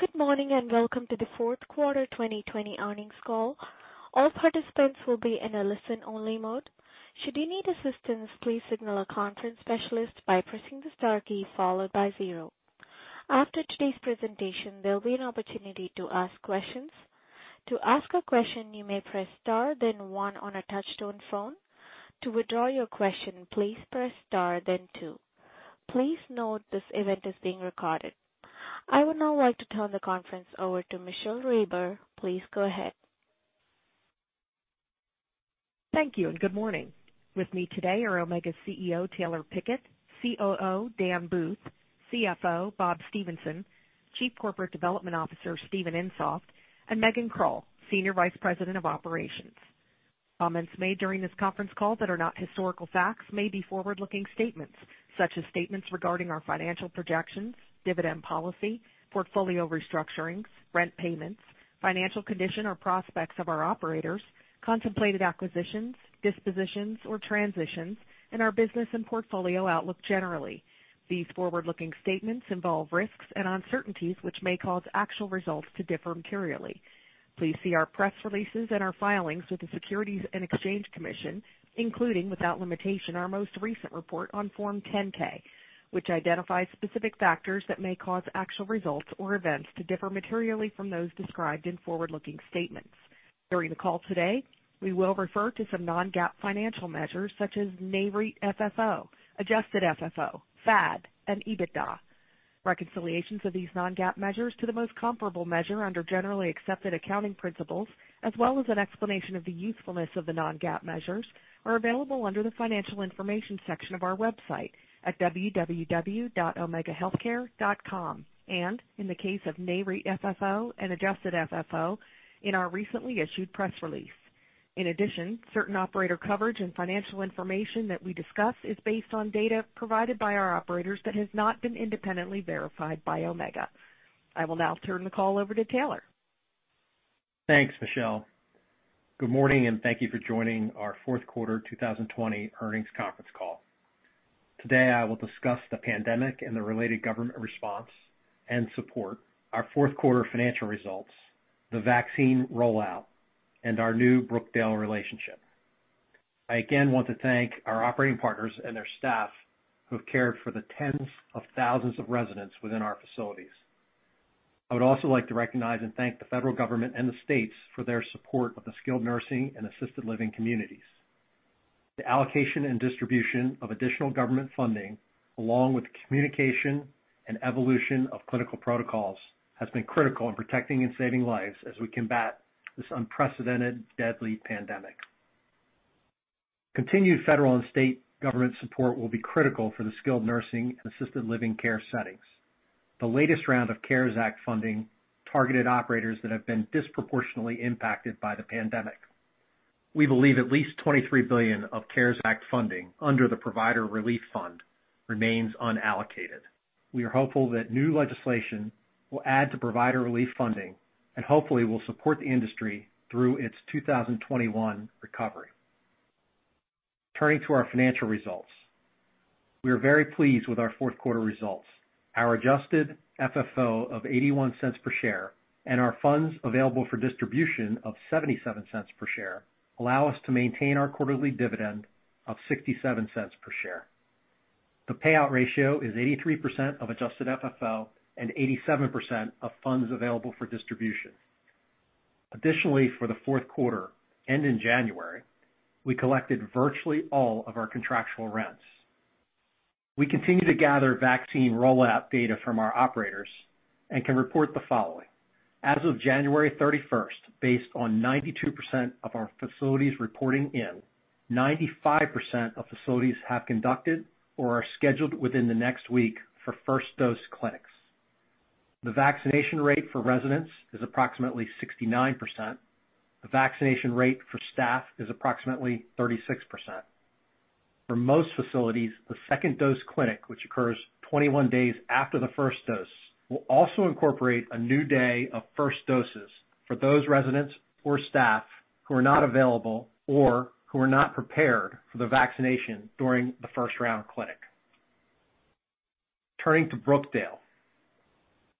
Good morning, welcome to the fourth quarter 2020 earnings call. All participants will be in a listen-only mode. Should you need assistance, please signal our conference specialist by pressing the star key followed by zero. After today's presentation, there'll be an opportunity to ask questions. To ask a question, you may press star then one on your touchtone telephone. To withdraw your question, please press star then two. Please note this event is being recorded. I would now like to turn the conference over to Michele Reber. Please go ahead. Thank you, and good morning. With me today are Omega CEO, Taylor Pickett, COO, Dan Booth, CFO, Bob Stephenson, Chief Corporate Development Officer, Steven Insoft, and Megan Krull, Senior Vice President of Operations. Comments made during this conference call that are not historical facts may be forward-looking statements. Such as statements regarding our financial projections, dividend policy, portfolio restructurings, rent payments, financial condition or prospects of our operators, contemplated acquisitions, dispositions, or transitions, and our business and portfolio outlook generally. These forward-looking statements involve risks and uncertainties which may cause actual results to differ materially. Please see our press releases and our filings with the Securities and Exchange Commission, including, without limitation, our most recent report on Form 10-K, which identifies specific factors that may cause actual results or events to differ materially from those described in forward-looking statements. During the call today, we will refer to some non-GAAP financial measures such as NAREIT FFO, adjusted FFO, FAD, and EBITDA. Reconciliations of these non-GAAP measures to the most comparable measure under GAAP, as well as an explanation of the usefulness of the non-GAAP measures, are available under the financial information section of our website at www.omegahealthcare.com. In the case of NAREIT FFO and adjusted FFO, in our recently issued press release. In addition, certain operator coverage and financial information that we discuss is based on data provided by our operators that has not been independently verified by Omega. I will now turn the call over to Taylor. Thanks, Michele. Good morning, and thank you for joining our fourth quarter 2020 earnings conference call. Today, I will discuss the pandemic and the related government response and support, our fourth quarter financial results, the vaccine rollout, and our new Brookdale relationship. I again want to thank our operating partners and their staff who have cared for the tens of thousands of residents within our facilities. I would also like to recognize and thank the federal government and the states for their support of the skilled nursing and assisted living communities. The allocation and distribution of additional government funding, along with the communication and evolution of clinical protocols, has been critical in protecting and saving lives as we combat this unprecedented, deadly pandemic. Continued federal and state government support will be critical for the skilled nursing and assisted living care settings. The latest round of CARES Act funding targeted operators that have been disproportionately impacted by the pandemic. We believe at least $23 billion of CARES Act funding under the Provider Relief Fund remains unallocated. We are hopeful that new legislation will add to provider relief funding and hopefully will support the industry through its 2021 recovery. Turning to our financial results. We are very pleased with our fourth quarter results. Our adjusted FFO of $0.81 per share and our funds available for distribution of $0.77 per share allow us to maintain our quarterly dividend of $0.67 per share. The payout ratio is 83% of adjusted FFO and 87% of funds available for distribution. Additionally, for the fourth quarter and in January, we collected virtually all of our contractual rents. We continue to gather vaccine rollout data from our operators and can report the following. As of January 31st, based on 92% of our facilities reporting in, 95% of facilities have conducted or are scheduled within the next week for first dose clinics. The vaccination rate for residents is approximately 69%. The vaccination rate for staff is approximately 36%. For most facilities, the second dose clinic, which occurs 21 days after the first dose, will also incorporate a new day of first doses for those residents or staff who are not available or who are not prepared for the vaccination during the first-round clinic. Turning to Brookdale.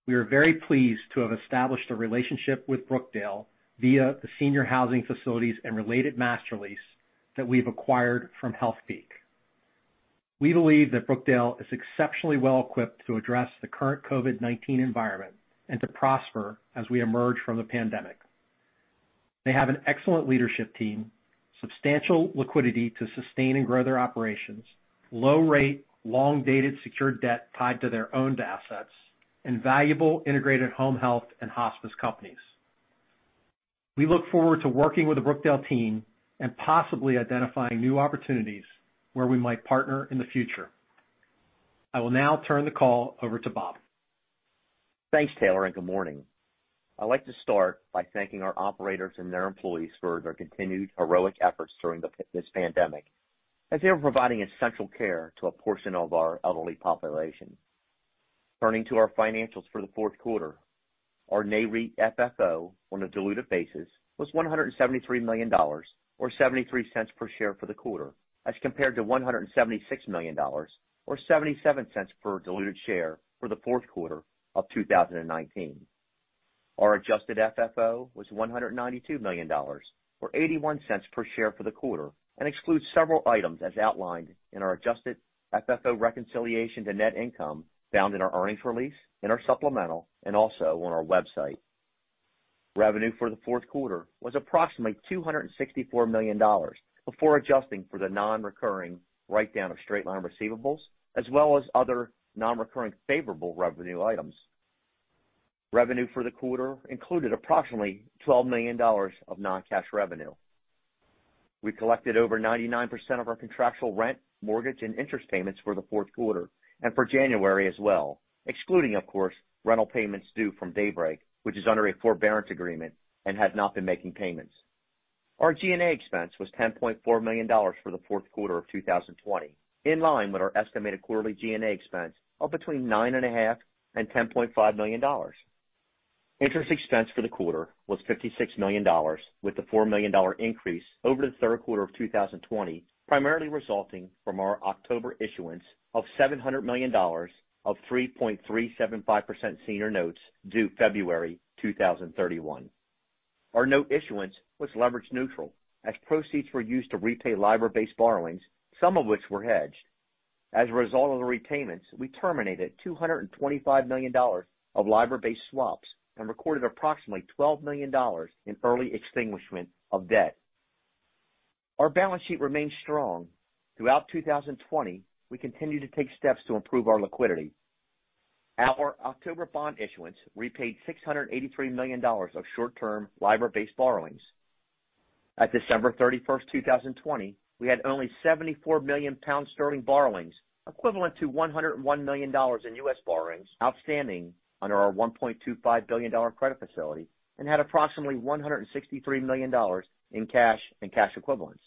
We are very pleased to have established a relationship with Brookdale via the senior housing facilities and related master lease that we've acquired from Healthpeak. We believe that Brookdale is exceptionally well-equipped to address the current COVID-19 environment and to prosper as we emerge from the pandemic. They have an excellent leadership team, substantial liquidity to sustain and grow their operations, low rate, long-dated secured debt tied to their owned assets, and valuable integrated home health and hospice companies. We look forward to working with the Brookdale team and possibly identifying new opportunities where we might partner in the future. I will now turn the call over to Bob. Thanks, Taylor. Good morning. I'd like to start by thanking our operators and their employees for their continued heroic efforts during this pandemic, as they are providing essential care to a portion of our elderly population. Turning to our financials for the fourth quarter. Our NAREIT FFO on a diluted basis was $173 million, or $0.73 per share for the quarter as compared to $176 million or $0.77 per diluted share for the fourth quarter of 2019. Our adjusted FFO was $192 million or $0.81 per share for the quarter and excludes several items as outlined in our adjusted FFO reconciliation to net income found in our earnings release, in our supplemental, and also on our website. Revenue for the fourth quarter was approximately $264 million before adjusting for the non-recurring write-down of straight-line receivables as well as other non-recurring favorable revenue items. Revenue for the quarter included approximately $12 million of non-cash revenue. We collected over 99% of our contractual rent, mortgage, and interest payments for the fourth quarter and for January as well, excluding, of course, rental payments due from Daybreak, which is under a forbearance agreement and has not been making payments. Our G&A expense was $10.4 million for the fourth quarter of 2020, in line with our estimated quarterly G&A expense of between $9.5 and $10.5 million. Interest expense for the quarter was $56 million, with the $4 million increase over the third quarter of 2020 primarily resulting from our October issuance of $700 million of 3.375% senior notes due February 2031. Our note issuance was leverage neutral as proceeds were used to repay LIBOR-based borrowings, some of which were hedged. As a result of the repayments, we terminated $225 million of LIBOR-based swaps and recorded approximately $12 million in early extinguishment of debt. Our balance sheet remains strong. Throughout 2020, we continued to take steps to improve our liquidity. At our October bond issuance, we repaid $683 million of short-term LIBOR-based borrowings. At December 31st, 2020, we had only 74 million pounds borrowings, equivalent to $101 million in US borrowings outstanding under our $1.25 billion credit facility, and had approximately $163 million in cash and cash equivalents.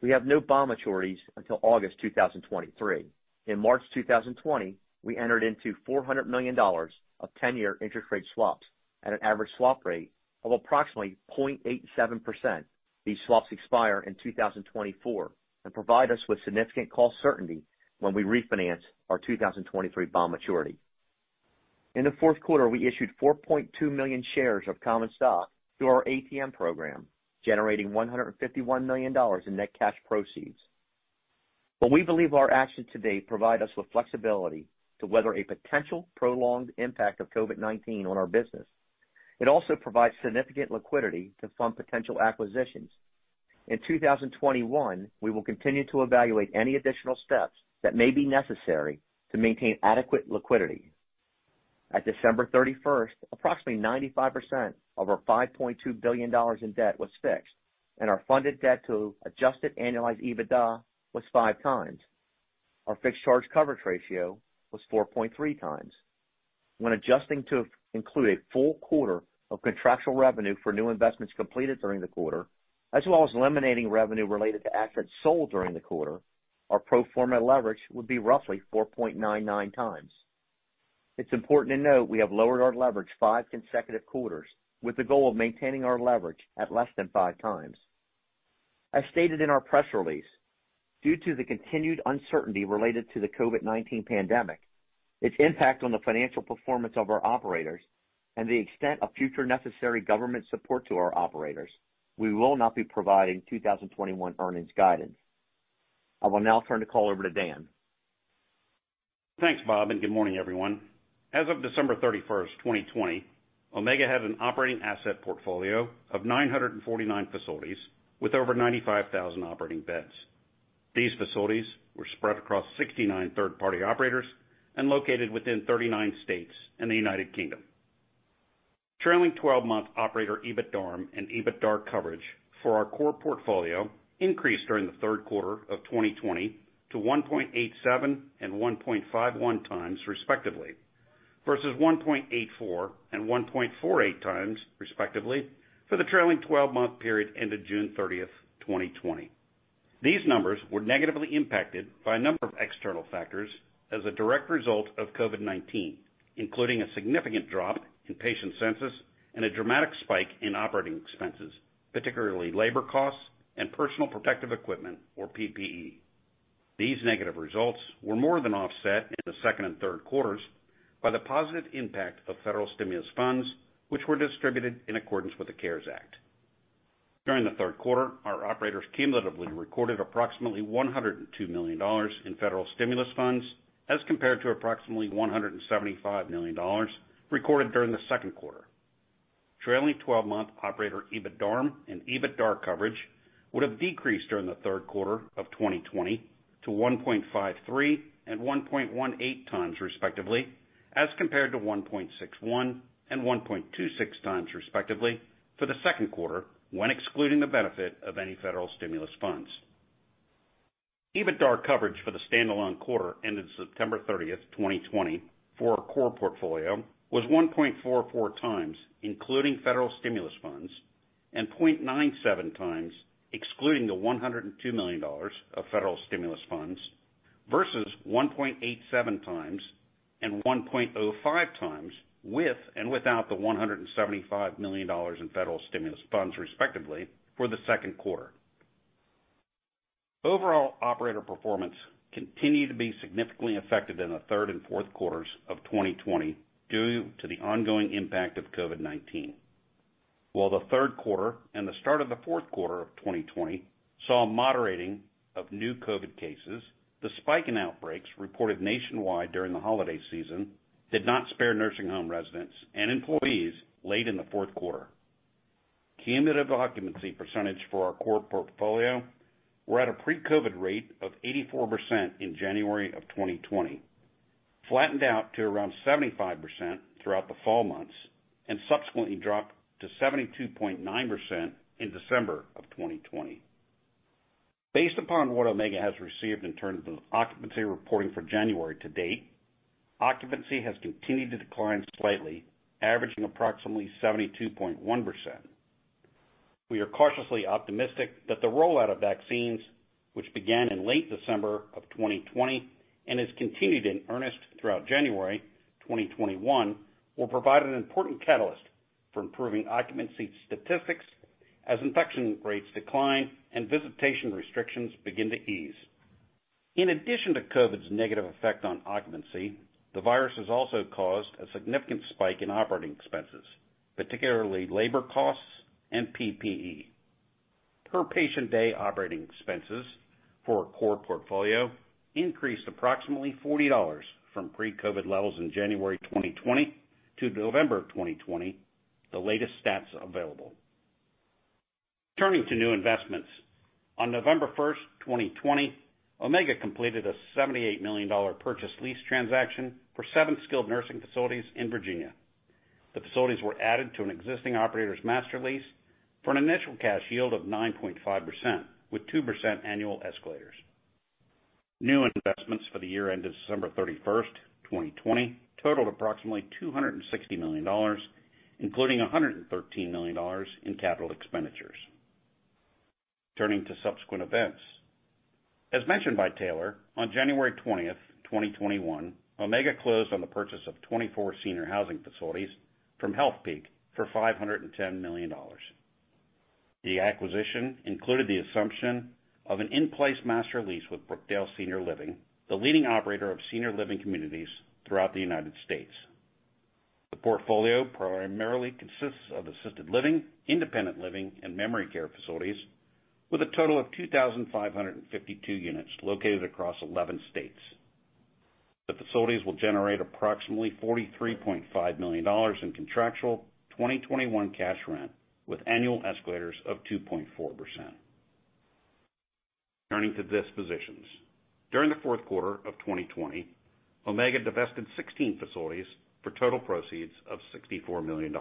We have no bond maturities until August 2023. In March 2020, we entered into $400 million of 10-year interest rate swaps at an average swap rate of approximately 0.87%. These swaps expire in 2024 and provide us with significant cost certainty when we refinance our 2023 bond maturity. In the fourth quarter, we issued 4.2 million shares of common stock through our ATM program, generating $151 million in net cash proceeds. While we believe our actions to date provide us with flexibility to weather a potential prolonged impact of COVID-19 on our business, it also provides significant liquidity to fund potential acquisitions. In 2021, we will continue to evaluate any additional steps that may be necessary to maintain adequate liquidity. At December 31st, approximately 95% of our $5.2 billion in debt was fixed, and our funded debt to adjusted annualized EBITDA was five times. Our fixed charge coverage ratio was 4.3 times. When adjusting to include a full quarter of contractual revenue for new investments completed during the quarter, as well as eliminating revenue related to assets sold during the quarter, our pro forma leverage would be roughly 4.99 times. It's important to note we have lowered our leverage five consecutive quarters with the goal of maintaining our leverage at less than five times. As stated in our press release, due to the continued uncertainty related to the COVID-19 pandemic, its impact on the financial performance of our operators, and the extent of future necessary government support to our operators, we will not be providing 2021 earnings guidance. I will now turn the call over to Dan. Thanks, Bob, and good morning, everyone. As of December 31st, 2020, Omega had an operating asset portfolio of 949 facilities with over 95,000 operating beds. These facilities were spread across 69 third-party operators and located within 39 states and the United Kingdom. Trailing 12-month operator EBITDARM and EBITDAR coverage for our core portfolio increased during the third quarter of 2020 to 1.87 and 1.51 times respectively, versus 1.84 and 1.48 times respectively for the trailing 12-month period ended June 30th, 2020. These numbers were negatively impacted by a number of external factors as a direct result of COVID-19, including a significant drop in patient census and a dramatic spike in operating expenses, particularly labor costs and personal protective equipment or PPE. These negative results were more than offset in the second and third quarters by the positive impact of federal stimulus funds, which were distributed in accordance with the CARES Act. During the third quarter, our operators cumulatively recorded approximately $102 million in federal stimulus funds as compared to approximately $175 million recorded during the second quarter. Trailing 12-month operator EBITDARM and EBITDAR coverage would have decreased during the third quarter of 2020 to 1.53 and 1.18 times respectively, as compared to 1.61 and 1.26 times respectively for the second quarter when excluding the benefit of any federal stimulus funds. EBITDAR coverage for the standalone quarter ended September 30th, 2020 for our core portfolio was 1.44 times, including federal stimulus funds and 0.97 times excluding the $102 million of federal stimulus funds. Versus 1.87 times and 1.05 times with and without the $175 million in federal stimulus funds, respectively, for the second quarter. Overall, operator performance continued to be significantly affected in the third and fourth quarters of 2020 due to the ongoing impact of COVID-19. While the third quarter and the start of the fourth quarter of 2020 saw a moderating of new COVID cases, the spike in outbreaks reported nationwide during the holiday season did not spare nursing home residents and employees late in the fourth quarter. Cumulative occupancy percentage for our core portfolio were at a pre-COVID rate of 84% in January of 2020, flattened out to around 75% throughout the fall months, and subsequently dropped to 72.9% in December of 2020. Based upon what Omega has received in terms of occupancy reporting for January to date, occupancy has continued to decline slightly, averaging approximately 72.1%. We are cautiously optimistic that the rollout of vaccines, which began in late December of 2020 and has continued in earnest throughout January 2021, will provide an important catalyst for improving occupancy statistics as infection rates decline and visitation restrictions begin to ease. In addition to COVID's negative effect on occupancy, the virus has also caused a significant spike in operating expenses, particularly labor costs and PPE. Per patient day operating expenses for our core portfolio increased approximately $40 from pre-COVID levels in January 2020 to November 2020, the latest stats available. Turning to new investments. On November 1st, 2020, Omega completed a $78 million purchase lease transaction for seven skilled nursing facilities in Virginia. The facilities were added to an existing operator's master lease for an initial cash yield of 9.5%, with 2% annual escalators. New investments for the year ended December 31st, 2020 totaled approximately $260 million, including $113 million in capital expenditures. Turning to subsequent events. As mentioned by Taylor, on January 20th, 2021, Omega closed on the purchase of 24 senior housing facilities from Healthpeak for $510 million. The acquisition included the assumption of an in-place master lease with Brookdale Senior Living, the leading operator of senior living communities throughout the United States. The portfolio primarily consists of assisted living, independent living, and memory care facilities, with a total of 2,552 units located across 11 states. The facilities will generate approximately $43.5 million in contractual 2021 cash rent, with annual escalators of 2.4%. Turning to dispositions. During the fourth quarter of 2020, Omega divested 16 facilities for total proceeds of $64 million.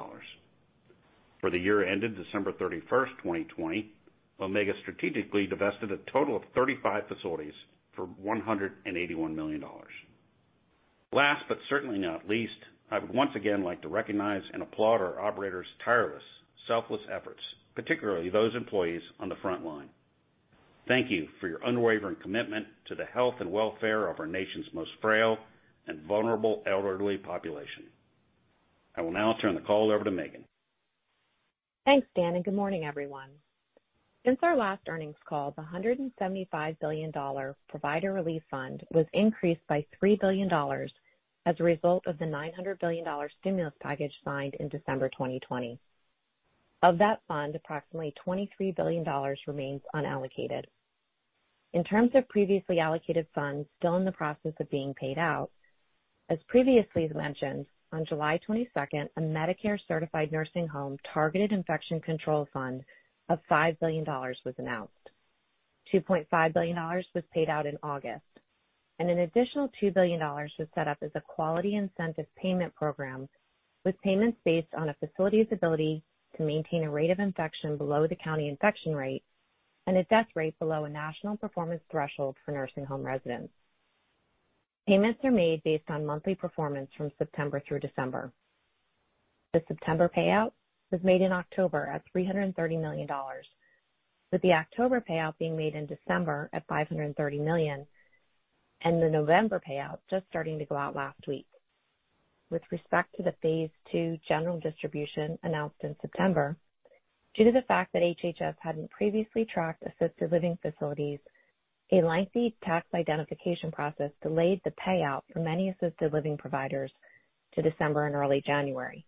For the year ended December 31st, 2020, Omega strategically divested a total of 35 facilities for $181 million. Last, but certainly not least, I would once again like to recognize and applaud our operator's tireless, selfless efforts, particularly those employees on the front line. Thank you for your unwavering commitment to the health and welfare of our nation's most frail and vulnerable elderly population. I will now turn the call over to Megan. Thanks, Dan. Good morning, everyone. Since our last earnings call, the $175 billion Provider Relief Fund was increased by $3 billion as a result of the $900 billion stimulus package signed in December 2020. Of that fund, approximately $23 billion remains unallocated. In terms of previously allocated funds still in the process of being paid out, as previously mentioned, on July 22nd, a Medicare-certified nursing home Targeted Infection Control Fund of $5 billion was announced. $2.5 billion was paid out in August. An additional $2 billion was set up as a Quality Incentive Payment Program with payments based on a facility's ability to maintain a rate of infection below the county infection rate and a death rate below a national performance threshold for nursing home residents. Payments are made based on monthly performance from September through December. The September payout was made in October at $330 million, with the October payout being made in December at $530 million, and the November payout just starting to go out last week. With respect to the phase II general distribution announced in September, due to the fact that HHS hadn't previously tracked assisted living facilities, a lengthy tax identification process delayed the payout for many assisted living providers to December and early January.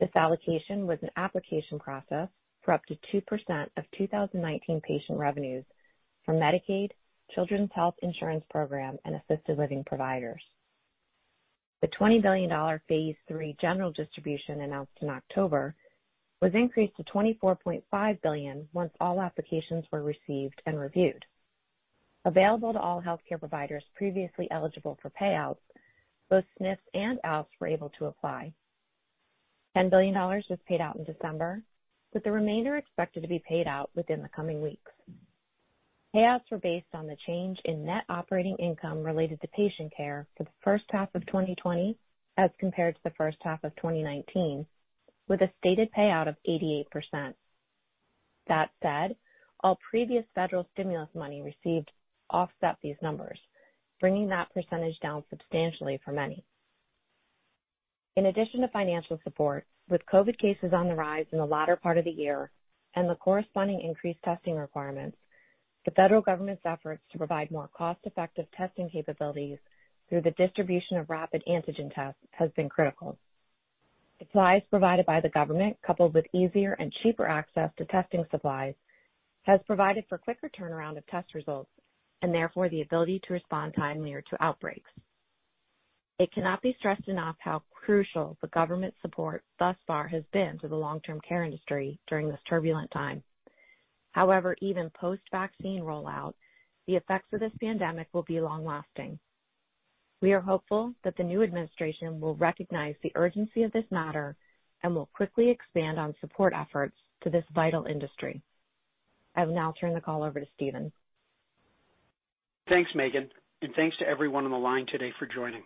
This allocation was an application process for up to 2% of 2019 patient revenues for Medicaid, Children's Health Insurance Program, and assisted living providers. The $20 billion phase III general distribution announced in October was increased to $24.5 billion once all applications were received and reviewed. Available to all healthcare providers previously eligible for payouts, both SNFs and ALFs were able to apply. $10 billion was paid out in December, with the remainder expected to be paid out within the coming weeks. Payouts were based on the change in net operating income related to patient care for the first half of 2020 as compared to the first half of 2019, with a stated payout of 88%. That said, all previous federal stimulus money received offset these numbers, bringing that percentage down substantially for many. In addition to financial support, with COVID cases on the rise in the latter part of the year and the corresponding increased testing requirements, the federal government's efforts to provide more cost-effective testing capabilities through the distribution of rapid antigen tests has been critical. Supplies provided by the government, coupled with easier and cheaper access to testing supplies, has provided for quicker turnaround of test results and therefore the ability to respond timelier to outbreaks. It cannot be stressed enough how crucial the government support thus far has been to the long-term care industry during this turbulent time. Even post-vaccine rollout, the effects of this pandemic will be long-lasting. We are hopeful that the new administration will recognize the urgency of this matter and will quickly expand on support efforts to this vital industry. I will now turn the call over to Steven. Thanks, Megan, thanks to everyone on the line today for joining.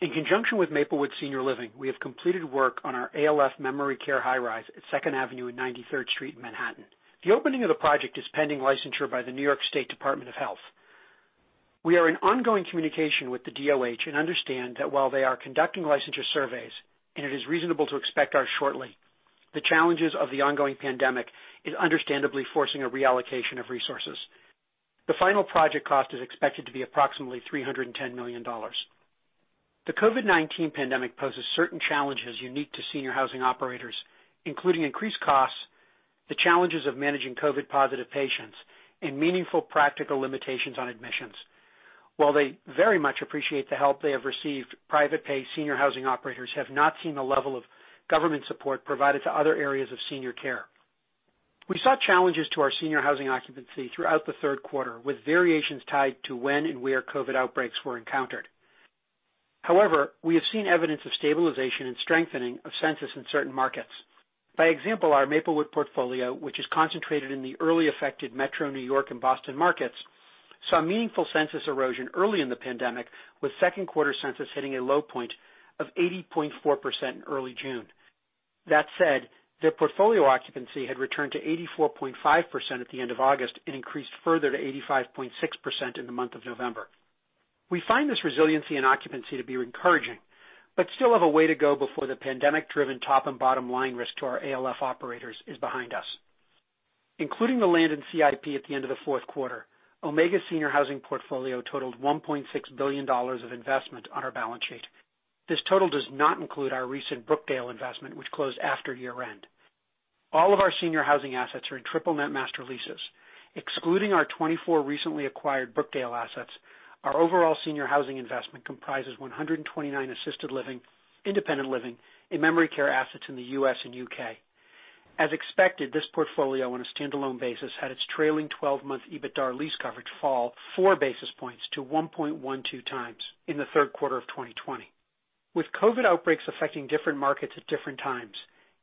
In conjunction with Maplewood Senior Living, we have completed work on our ALF memory care high-rise at 2nd Avenue and 93rd Street in Manhattan. The opening of the project is pending licensure by the New York State Department of Health. We are in ongoing communication with the DOH and understand that while they are conducting licensure surveys, and it is reasonable to expect ours shortly, the challenges of the ongoing pandemic is understandably forcing a reallocation of resources. The final project cost is expected to be approximately $310 million. The COVID-19 pandemic poses certain challenges unique to senior housing operators, including increased costs, the challenges of managing COVID-positive patients, and meaningful practical limitations on admissions. While they very much appreciate the help they have received, private pay senior housing operators have not seen the level of government support provided to other areas of senior care. We saw challenges to our senior housing occupancy throughout the third quarter, with variations tied to when and where COVID outbreaks were encountered. We have seen evidence of stabilization and strengthening of census in certain markets. By example, our Maplewood portfolio, which is concentrated in the early affected metro New York and Boston markets, saw meaningful census erosion early in the pandemic, with second quarter census hitting a low point of 80.4% in early June. Their portfolio occupancy had returned to 84.5% at the end of August and increased further to 85.6% in the month of November. We find this resiliency in occupancy to be encouraging, but still have a way to go before the pandemic-driven top and bottom line risk to our ALF operators is behind us. Including the land and CIP at the end of the fourth quarter, Omega's senior housing portfolio totaled $1.6 billion of investment on our balance sheet. This total does not include our recent Brookdale investment, which closed after year-end. All of our senior housing assets are in triple net master leases. Excluding our 24 recently acquired Brookdale assets, our overall senior housing investment comprises 129 assisted living, independent living, and memory care assets in the U.S. and U.K. As expected, this portfolio, on a standalone basis, had its trailing 12-month EBITDA lease coverage fall four basis points to 1.12 times in the third quarter of 2020. With COVID outbreaks affecting different markets at different times,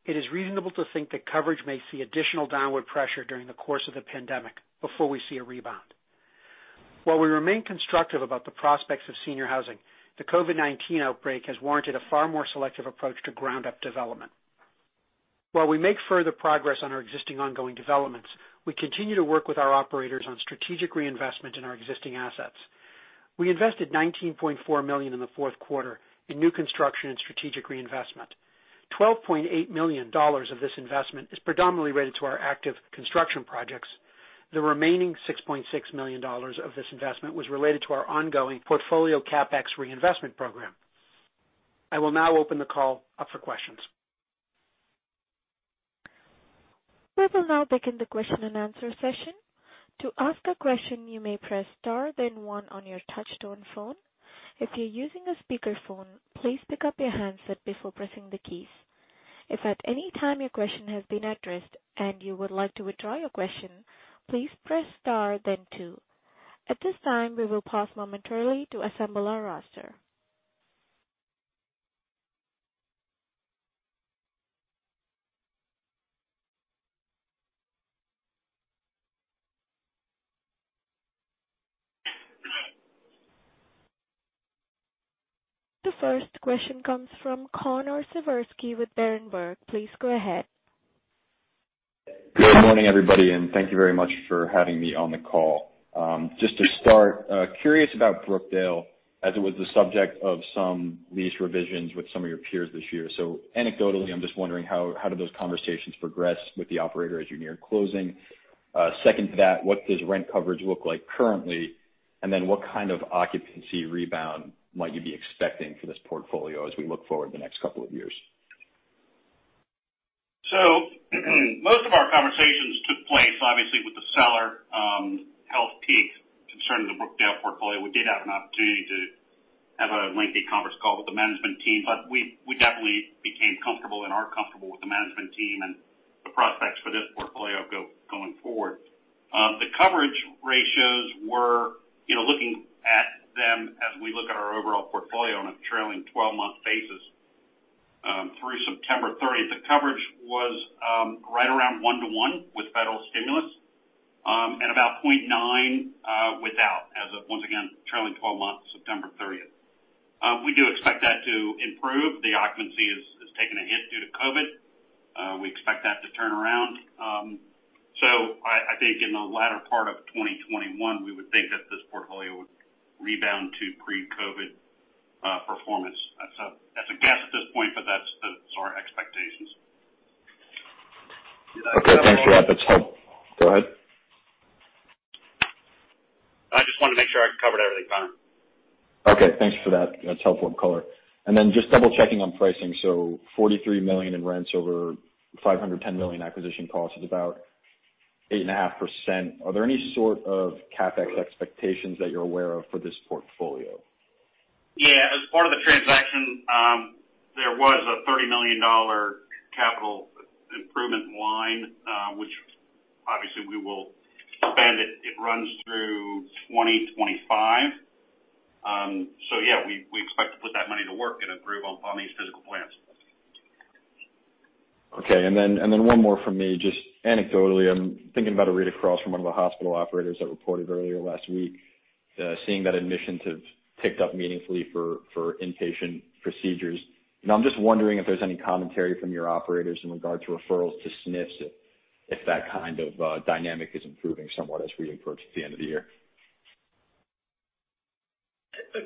it is reasonable to think that coverage may see additional downward pressure during the course of the pandemic before we see a rebound. While we remain constructive about the prospects of senior housing, the COVID-19 outbreak has warranted a far more selective approach to ground-up development. While we make further progress on our existing ongoing developments, we continue to work with our operators on strategic reinvestment in our existing assets. We invested $19.4 million in the fourth quarter in new construction and strategic reinvestment. $12.8 million of this investment is predominantly related to our active construction projects. The remaining $6.6 million of this investment was related to our ongoing portfolio CapEx reinvestment program. I will now open the call up for questions. We will now begin the question-and-answer-session. To ask a question, you may press star then one on your touchtone phone. If you are using a speakerphone, please pickup your handset before pressing the keys. If at anytime your question has been addressed and you would like to withdraw your question, please press star then two. At this time we will pause momentarily to assemble our roster. The first question comes from Connor Siversky with Berenberg. Please go ahead. Good morning, everybody. Thank you very much for having me on the call. Just to start, curious about Brookdale as it was the subject of some lease revisions with some of your peers this year. Anecdotally, I'm just wondering how did those conversations progress with the operator as you near closing? Second to that, what does rent coverage look like currently? What kind of occupancy rebound might you be expecting for this portfolio as we look forward the next couple of years? Most of our conversations took place, obviously, with the seller, Healthpeak. Concerning the Brookdale portfolio, we did have an opportunity to have a lengthy conference call with the management team, but we definitely became comfortable and are comfortable with the management team and the prospects for this portfolio going forward. The coverage ratios were, looking at them as we look at our overall portfolio on a trailing 12-month basis, through September 30, the coverage was right around 1:1 with federal stimulus, and about 0.9 without as of once again during the launch September 30th. We do expect that to improve. The occupancy has taken a hit due to COVID. We expect that to turn around. I think in the latter part of 2021, we would think that this portfolio would rebound to pre-COVID performance. That's a guess at this point, but that's our expectations. Okay, thanks for that. Go ahead. I just wanted to make sure I covered everything, Connor. Okay, thanks for that. That's helpful color. Just double-checking on pricing. $43 million in rents over $510 million acquisition cost is about 8.5%. Are there any sort of CapEx expectations that you're aware of for this portfolio? Yeah. As part of the transaction, there was a $30 million capital improvement line, which obviously we will spend. It runs through 2025. Yeah, we expect to put that money to work and improve on these physical plants. Okay. One more from me, just anecdotally, I'm thinking about a read across from one of the hospital operators that reported earlier last week, seeing that admissions have ticked up meaningfully for inpatient procedures. I'm just wondering if there's any commentary from your operators in regard to referrals to SNFs, if that kind of dynamic is improving somewhat as we approach the end of the year.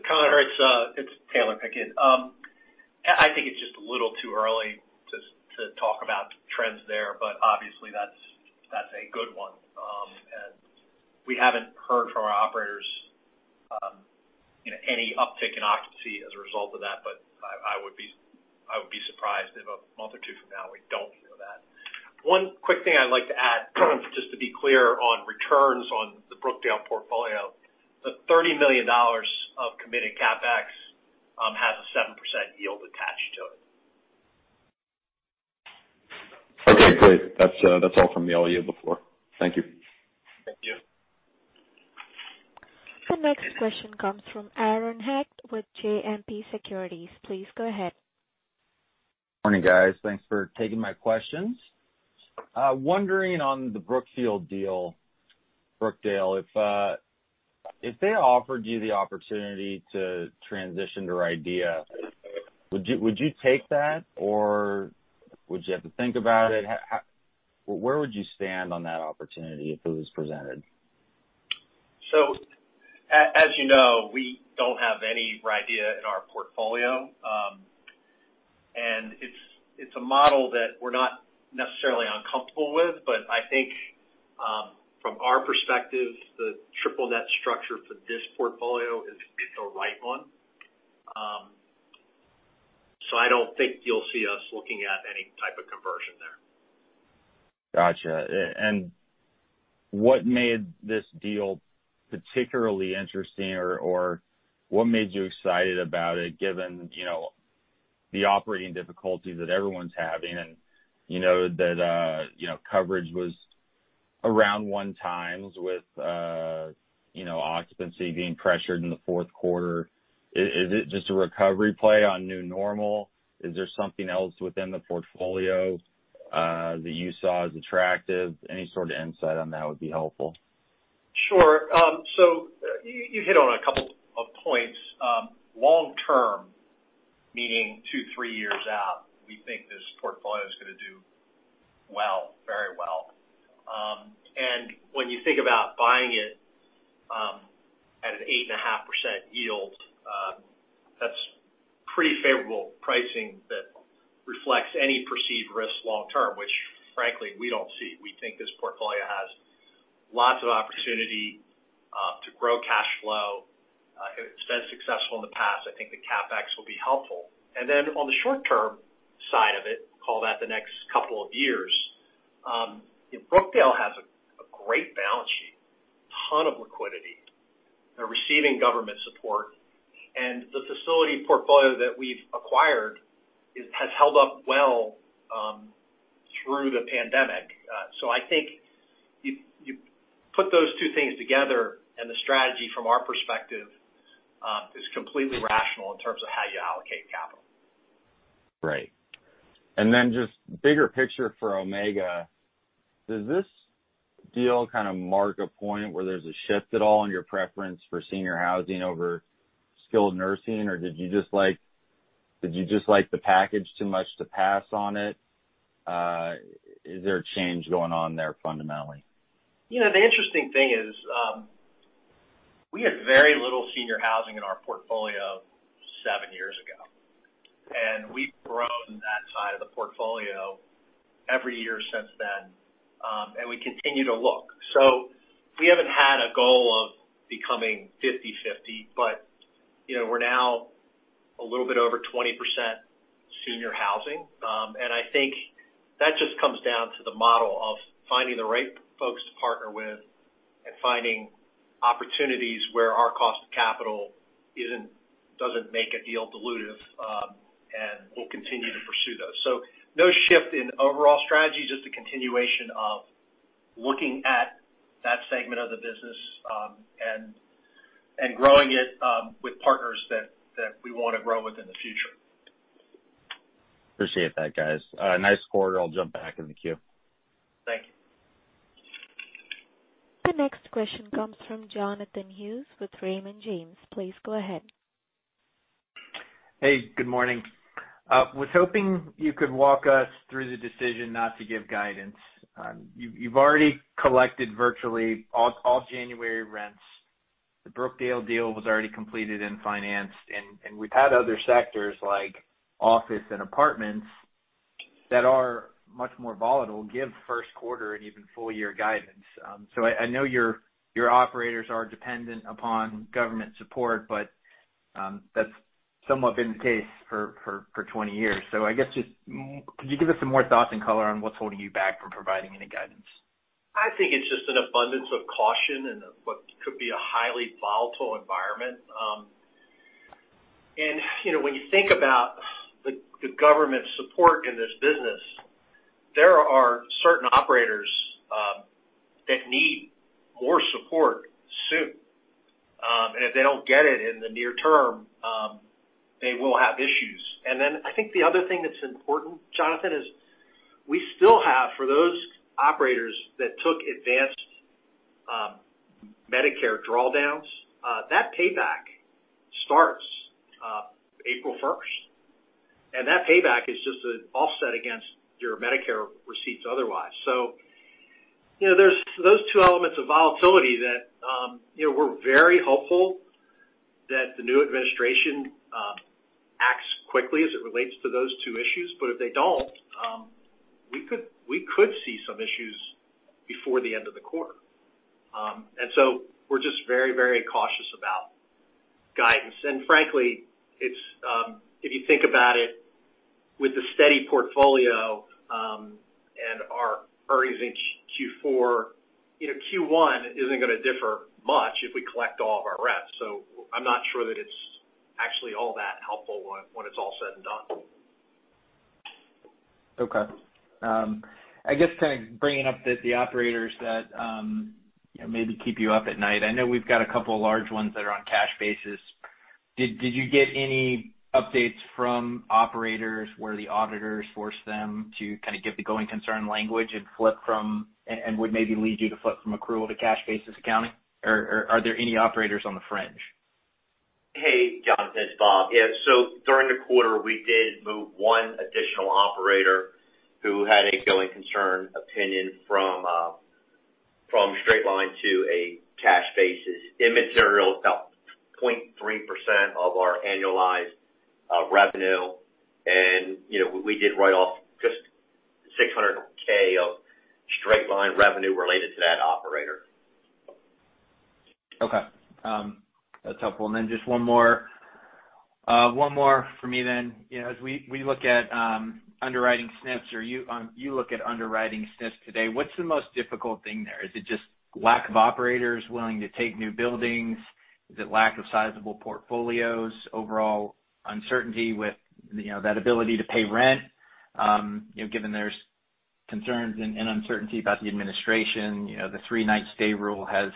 Connor, it's Taylor Pickett. I think it's just a little too early to talk about trends there, but obviously that's a good one. We haven't heard from our operators any uptick in occupancy as a result of that, but I would be surprised if a month or two from now we don't hear that. One quick thing I'd like to add, just to be clear on returns on the Brookdale portfolio, the $30 million of committed CapEx has a 7% yield attached to it. Okay, great. That's all from me. I'll yield the floor. Thank you. Thank you. The next question comes from Aaron Hecht with JMP Securities. Please go ahead. Morning, guys. Thanks for taking my questions. Wondering on the Brookdale deal, if they offered you the opportunity to transition to RIDEA, would you take that or would you have to think about it? Where would you stand on that opportunity if it was presented? As you know, we don't have any RIDEA in our portfolio. It's a model that we're not necessarily uncomfortable with, but I think from our perspective, the triple net structure for this portfolio is the right one. I don't think you'll see us looking at any type of conversion there. Got you. What made this deal particularly interesting, or what made you excited about it, given the operating difficulties that everyone's having and that coverage was around one times with occupancy being pressured in the fourth quarter. Is it just a recovery play on new normal? Is there something else within the portfolio that you saw as attractive? Any sort of insight on that would be helpful. Sure. You hit on a couple of points. Long-term, meaning two, three years out, we think this portfolio is going to do well, very well. When you think about buying it at an 8.5% yield, that's pretty favorable pricing that reflects any perceived risk long term, which frankly, we don't see. We think this portfolio has lots of opportunity to grow cash flow. It's been successful in the past. I think the CapEx will be helpful. On the short-term side of it, call that the next couple of years, Brookdale has a great balance sheet, ton of liquidity. They're receiving government support, and the facility portfolio that we've acquired has held up well through the pandemic. I think you put those two things together and the strategy from our perspective is completely rational in terms of how you allocate capital. Right. Just bigger picture for Omega. Does this deal kind of mark a point where there's a shift at all in your preference for senior housing over skilled nursing, or did you just like the package too much to pass on it? Is there a change going on there fundamentally? The interesting thing is, we had very little senior housing in our portfolio seven years ago. We've grown that side of the portfolio every year since then, and we continue to look. We haven't had a goal of becoming 50/50, but we're now a little bit over 20% senior housing. I think that just comes down to the model of finding the right folks to partner with and finding opportunities where our cost of capital doesn't make a deal dilutive, and we'll continue to pursue those. No shift in overall strategy, just a continuation of looking at that segment of the business and growing it with partners that we want to grow with in the future. Appreciate that, guys. Nice quarter. I'll jump back in the queue. Thank you. The next question comes from Jonathan Hughes with Raymond James. Please go ahead. Hey, good morning. Was hoping you could walk us through the decision not to give guidance. You've already collected virtually all January rents. The Brookdale deal was already completed and financed. We've had other sectors like office and apartments that are much more volatile give first quarter and even full year guidance. I know your operators are dependent upon government support, but that's somewhat been the case for 20 years. I guess just could you give us some more thoughts and color on what's holding you back from providing any guidance? I think it's just an abundance of caution in what could be a highly volatile environment. When you think about the government support in this business, there are certain operators that need more support soon. If they don't get it in the near term, they will have issues. I think the other thing that's important, Jonathan, is we still have for those operators that took advanced Medicare drawdowns, that payback starts April 1st, and that payback is just an offset against your Medicare receipts otherwise. There's those two elements of volatility that we're very hopeful that the new administration acts quickly as it relates to those two issues. If they don't, we could see some issues before the end of the quarter. We're just very cautious about guidance. Frankly, if you think about it with the steady portfolio, and our earnings in Q4, Q1 isn't going to differ much if we collect all of our rents. I'm not sure that it's actually all that helpful when it's all said and done. Okay. I guess kind of bringing up the operators that maybe keep you up at night. I know we've got a couple of large ones that are on cash basis. Did you get any updates from operators where the auditors forced them to kind of give the going concern language and would maybe lead you to flip from accrual to cash basis accounting? Are there any operators on the fringe? Hey, Jonathan, it's Bob. Yeah. During the quarter, we did move one additional operator who had a going concern opinion from straight line to a cash basis. Immaterial, about 0.3% of our annualized revenue, and we did write off just $600,000 of straight line revenue related to that operator. Okay. That's helpful. Just one more from me then. As we look at underwriting SNFs or you look at underwriting SNFs today, what's the most difficult thing there? Is it just lack of operators willing to take new buildings? Is it lack of sizable portfolios, overall uncertainty with that ability to pay rent? Given there's concerns and uncertainty about the administration, the three-night stay rule has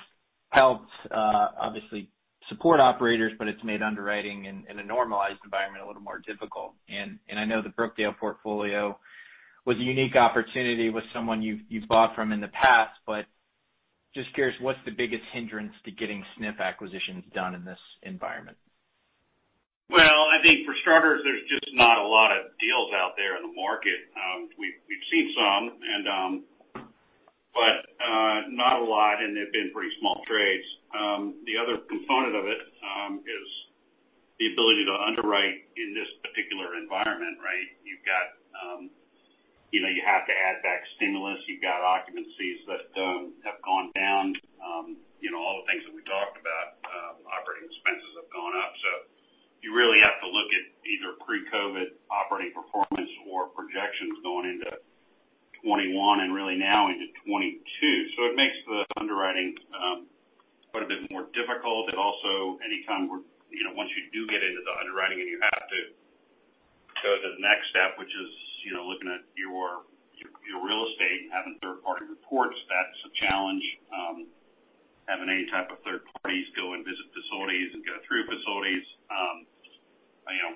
helped, obviously support operators, but it's made underwriting in a normalized environment a little more difficult. I know the Brookdale portfolio was a unique opportunity with someone you've bought from in the past, but just curious, what's the biggest hindrance to getting SNF acquisitions done in this environment? Well, I think for starters, there's just not a lot of deals out there in the market. We've seen some, but not a lot, and they've been pretty small trades. The other component of it is the ability to underwrite in this particular environment, right. You have to add back stimulus. You've got occupancies that have gone down. All the things that we talked about, operating expenses have gone up. You really have to look at either pre-COVID operating performance or projections going into 2021 and really now into 2022. It makes the underwriting quite a bit more difficult. Also, anytime once you do get into the underwriting and you have to go to the next step, which is looking at your real estate and having third-party reports, that's a challenge. Having any type of third parties go and visit facilities and go through facilities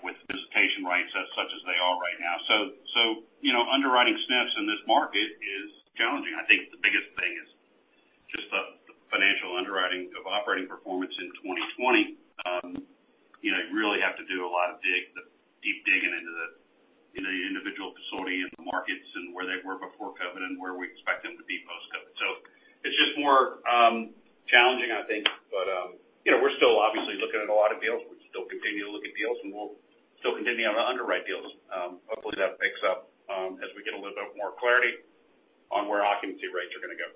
with visitation rights such as they are right now. Underwriting SNFs in this market is challenging. I think the biggest thing is just the financial underwriting of operating performance in 2020. You really have to do a lot of deep digging into the individual facility and the markets and where they were before COVID and where we expect them to be post-COVID. It's just more challenging, I think. We're still obviously looking at a lot of deals. We still continue to look at deals, and we'll still continue to underwrite deals. Hopefully that picks up as we get a little bit more clarity on where occupancy rates are going to go.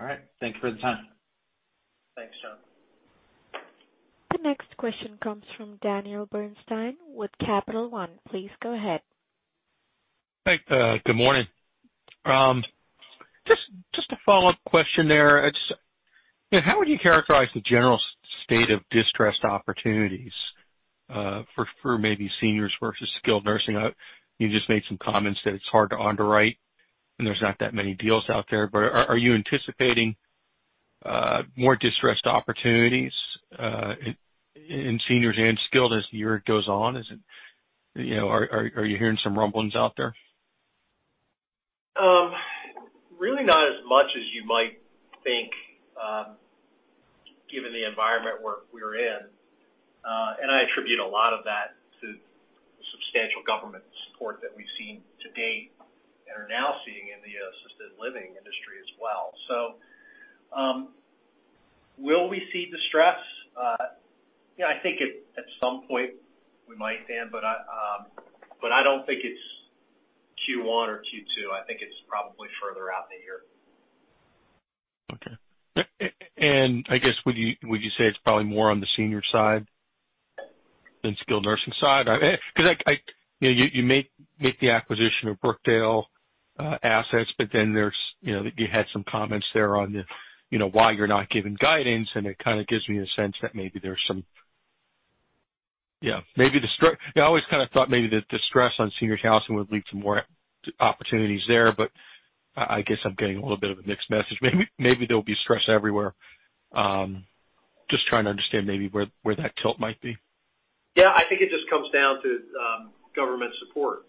All right. Thank you for the time. Thanks, John. The next question comes from Daniel Bernstein with Capital One. Please go ahead. Hey, good morning. Just a follow-up question there. How would you characterize the general state of distressed opportunities for maybe seniors versus skilled nursing? You just made some comments that it's hard to underwrite, and there's not that many deals out there. Are you anticipating more distressed opportunities in seniors and skilled as the year goes on? Are you hearing some rumblings out there? Really not as much as you might think, given the environment we're in. I attribute a lot of that to the substantial government support that we've seen to date and are now seeing in the assisted living industry as well. Will we see distress? I think at some point we might, Dan, but I don't think it's Q1 or Q2. I think it's probably further out the year. Okay. I guess, would you say it's probably more on the senior side than skilled nursing side? You made the acquisition of Brookdale assets, but then you had some comments there on why you're not giving guidance, and it kind of gives me a sense that maybe there's some I always kind of thought maybe the stress on senior housing would lead to more opportunities there. I guess I'm getting a little bit of a mixed message. Maybe there'll be stress everywhere. I'm just trying to understand maybe where that tilt might be. I think it just comes down to government support.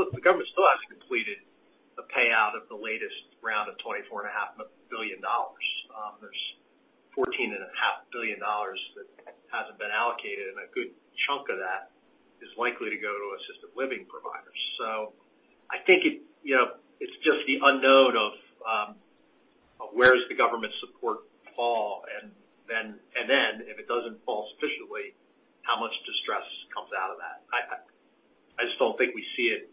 The government still hasn't completed a payout of the latest round of $24.5 billion. There's $14.5 billion that hasn't been allocated, and a good chunk of that is likely to go to assisted living providers. I think it's just the unknown of where does the government support fall, and then if it doesn't fall sufficiently, how much distress comes out of that. I just don't think we see it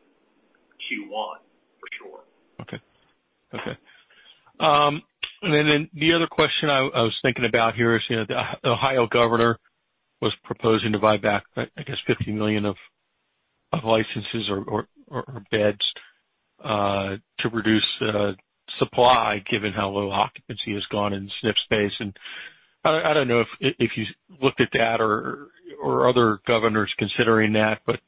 Q1, for sure. Okay. The other question I was thinking about here is, the Ohio governor was proposing to buyback, I guess $50 million of licenses or beds to reduce supply, given how low occupancy has gone in SNF space. I don't know if you looked at that or other governors considering that, what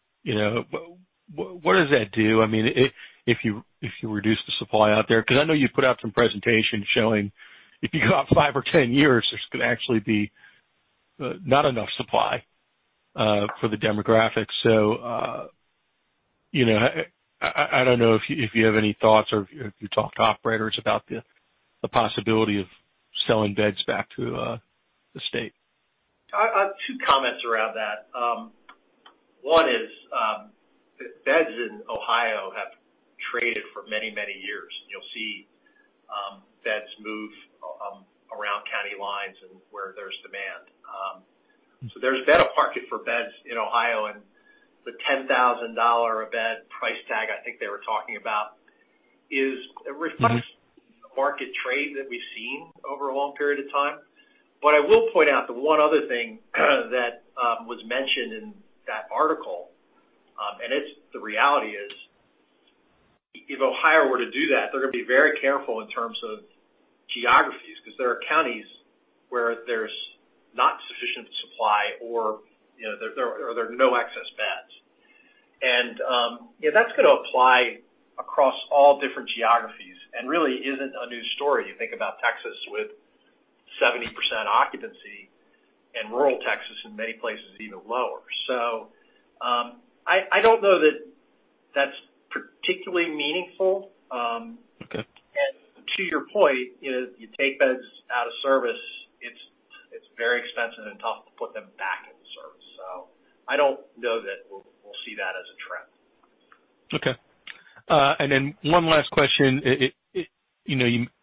does that do? If you reduce the supply out there, because I know you've put out some presentations showing if you go out five or 10 years, there's going to actually be not enough supply for the demographics. I don't know if you have any thoughts or if you talked to operators about the possibility of selling beds back to the state. I have two comments around that. One is, beds in Ohio have traded for many, many years. You'll see beds move around county lines and where there's demand. There's been a market for beds in Ohio, and the $10,000 a bed price tag I think they were talking about, it reflects the market trade that we've seen over a long period of time. I will point out the one other thing that was mentioned in that article, and the reality is, if Ohio were to do that, they're going to be very careful in terms of geographies, because there are counties where there's not sufficient supply or there are no excess beds. That's going to apply across all different geographies and really isn't a new story. You think about Texas with 70% occupancy, in rural Texas in many places, even lower. I don't know that that's particularly meaningful. Okay. To your point, you take beds out of service, it's very expensive and tough to put them back into service. I don't know that we'll see that as a trend. Okay. One last question.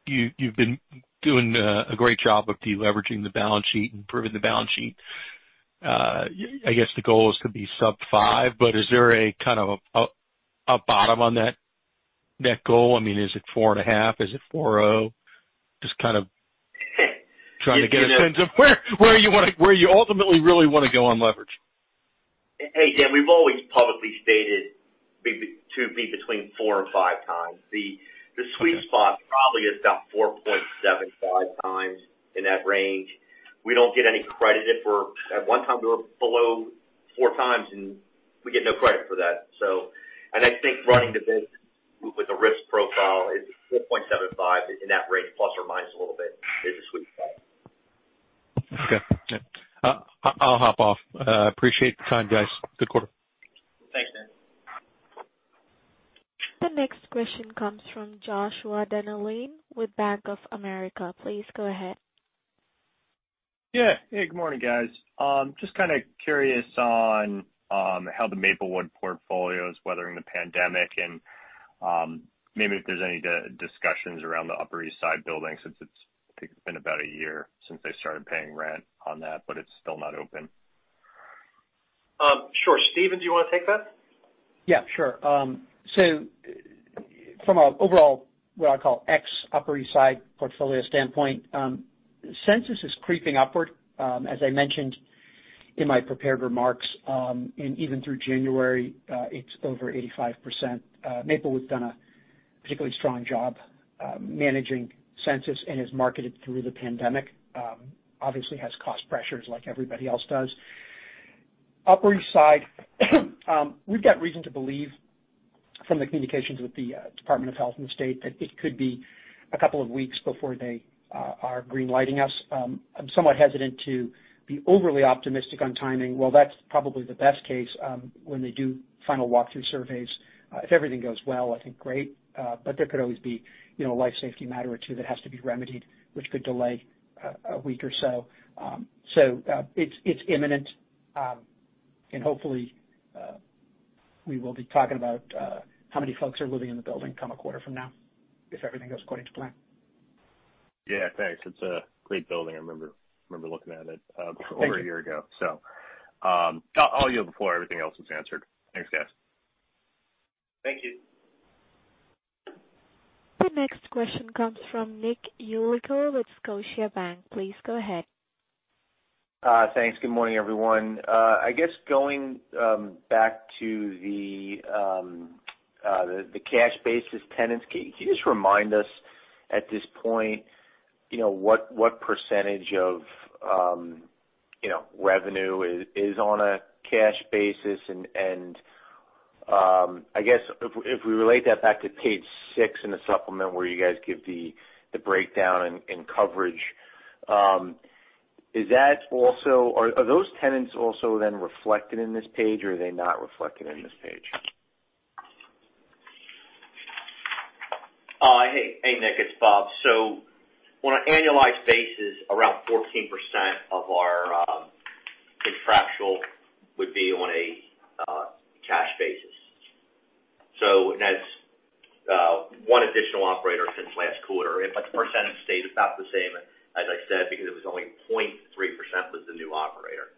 You've been doing a great job of deleveraging the balance sheet, improving the balance sheet. I guess the goal is to be sub five, is there a kind of a bottom on that goal? Is it four and a half? Is it 4.0? Just kind of trying to get a sense of where you ultimately really want to go on leverage. Hey, Dan, we've always publicly stated to be between four and five times. The sweet spot probably is about 4.75 times in that range. We don't get any credit if we're at one time, we were below four times, and we get no credit for that. I think running the business with a risk profile is 4.75 in that range, ± a little bit is the sweet spot. Okay. I'll hop off. Appreciate the time, guys. Good quarter. Thanks, Dan. The next question comes from Joshua Dennerlein with Bank of America. Please go ahead. Yeah. Hey, good morning, guys. Just kind of curious on how the Maplewood portfolio is weathering the pandemic and maybe if there's any discussions around the Upper East Side building since it's been about a year since they started paying rent on that, but it's still not open. Sure. Steven, do you want to take that? Yeah, sure. From an overall, what I'll call ex Upper East Side portfolio standpoint, census is creeping upward. As I mentioned in my prepared remarks, and even through January, it's over 85%. Maplewood's done a particularly strong job managing census and is marketed through the pandemic. It obviously has cost pressures like everybody else does. Upper East Side, we've got reason to believe from the communications with the Department of Health and the State that it could be a couple of weeks before they are green-lighting us. I'm somewhat hesitant to be overly optimistic on timing. Well, that's probably the best case, when they do final walk-through surveys. If everything goes well, I think great. There could always be a life safety matter or two that has to be remedied, which could delay a week or so. It's imminent. Hopefully, we will be talking about how many folks are living in the building come a quarter from now if everything goes according to plan. Yeah, thanks. It's a great building. I remember looking at it over a year ago. I'll yield the floor. Everything else is answered. Thanks, guys. Thank you. The next question comes from Nick Yulico with Scotiabank. Please go ahead. Thanks. Good morning, everyone. I guess going back to the cash basis tenants, can you just remind us at this point what percentage of revenue is on a cash basis? I guess if we relate that back to page six in the supplement where you guys give the breakdown in coverage, are those tenants also then reflected in this page, or are they not reflected in this page? Hey, Nick, it's Bob. On an annualized basis, around 14% of our contractual would be on a cash basis. That's one additional operator since last quarter, but the percentage stayed about the same, as I said, because it was only 0.3% was the new operator.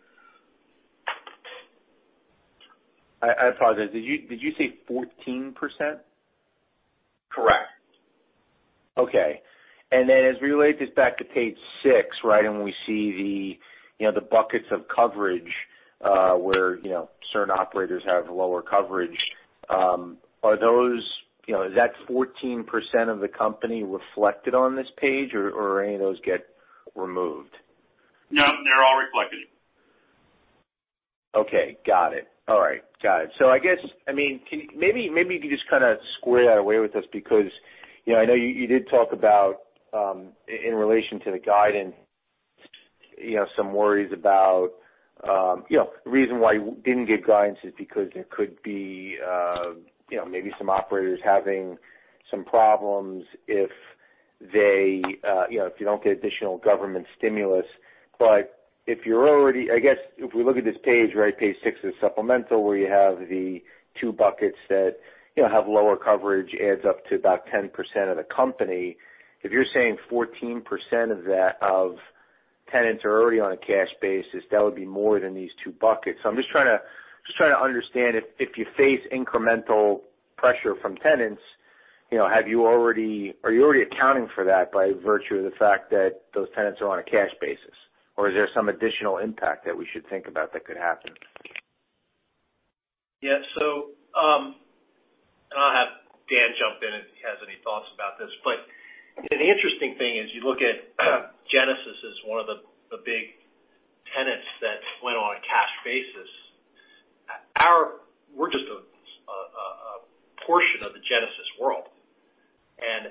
I apologize. Did you say 14%? Correct. Okay. As we relate this back to page six, we see the buckets of coverage, where certain operators have lower coverage. Is that 14% of the company reflected on this page, or any of those get removed? No, they're all reflected. Okay. Got it. All right. Got it. I guess maybe you could just kind of square that away with us, because I know you did talk about, in relation to the guidance, some worries about the reason why you didn't give guidance is because there could be maybe some operators having some problems if you don't get additional government stimulus. I guess if we look at this page six of the supplemental, where you have the two buckets that have lower coverage, adds up to about 10% of the company. If you're saying 14% of tenants are already on a cash basis, that would be more than these two buckets. I'm just trying to understand if you face incremental pressure from tenants, are you already accounting for that by virtue of the fact that those tenants are on a cash basis? Is there some additional impact that we should think about that could happen? Yeah. I'll have Dan jump in if he has any thoughts about this, but an interesting thing is you look at Genesis as one of the big tenants that went on a cash basis. We're just a portion of the Genesis world,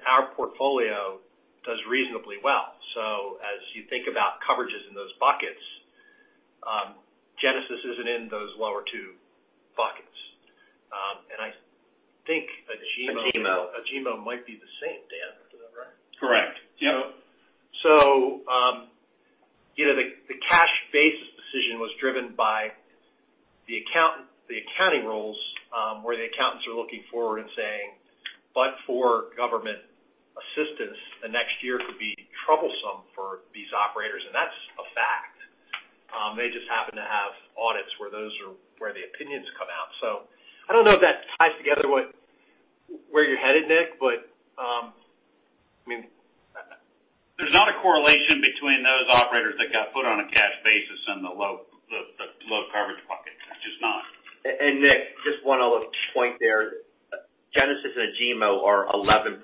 our portfolio does reasonably well. As you think about coverages in those buckets, Genesis isn't in those lower two buckets. I think Agemo. Agemo. Agemo might be the same, Dan. Is that right? Correct. Yep. The cash basis decision was driven by the accounting rules, where the accountants are looking forward and saying, but for government assistance, the next year could be troublesome for these operators, and that's a fact. They just happen to have audits where the opinions come out. I don't know if that ties together with where you're headed, Nick, but I mean. There's not a correlation between those operators that got put on a cash basis and the low coverage buckets. There's just not. Nick, just want to point there, Genesis and Agemo are 11%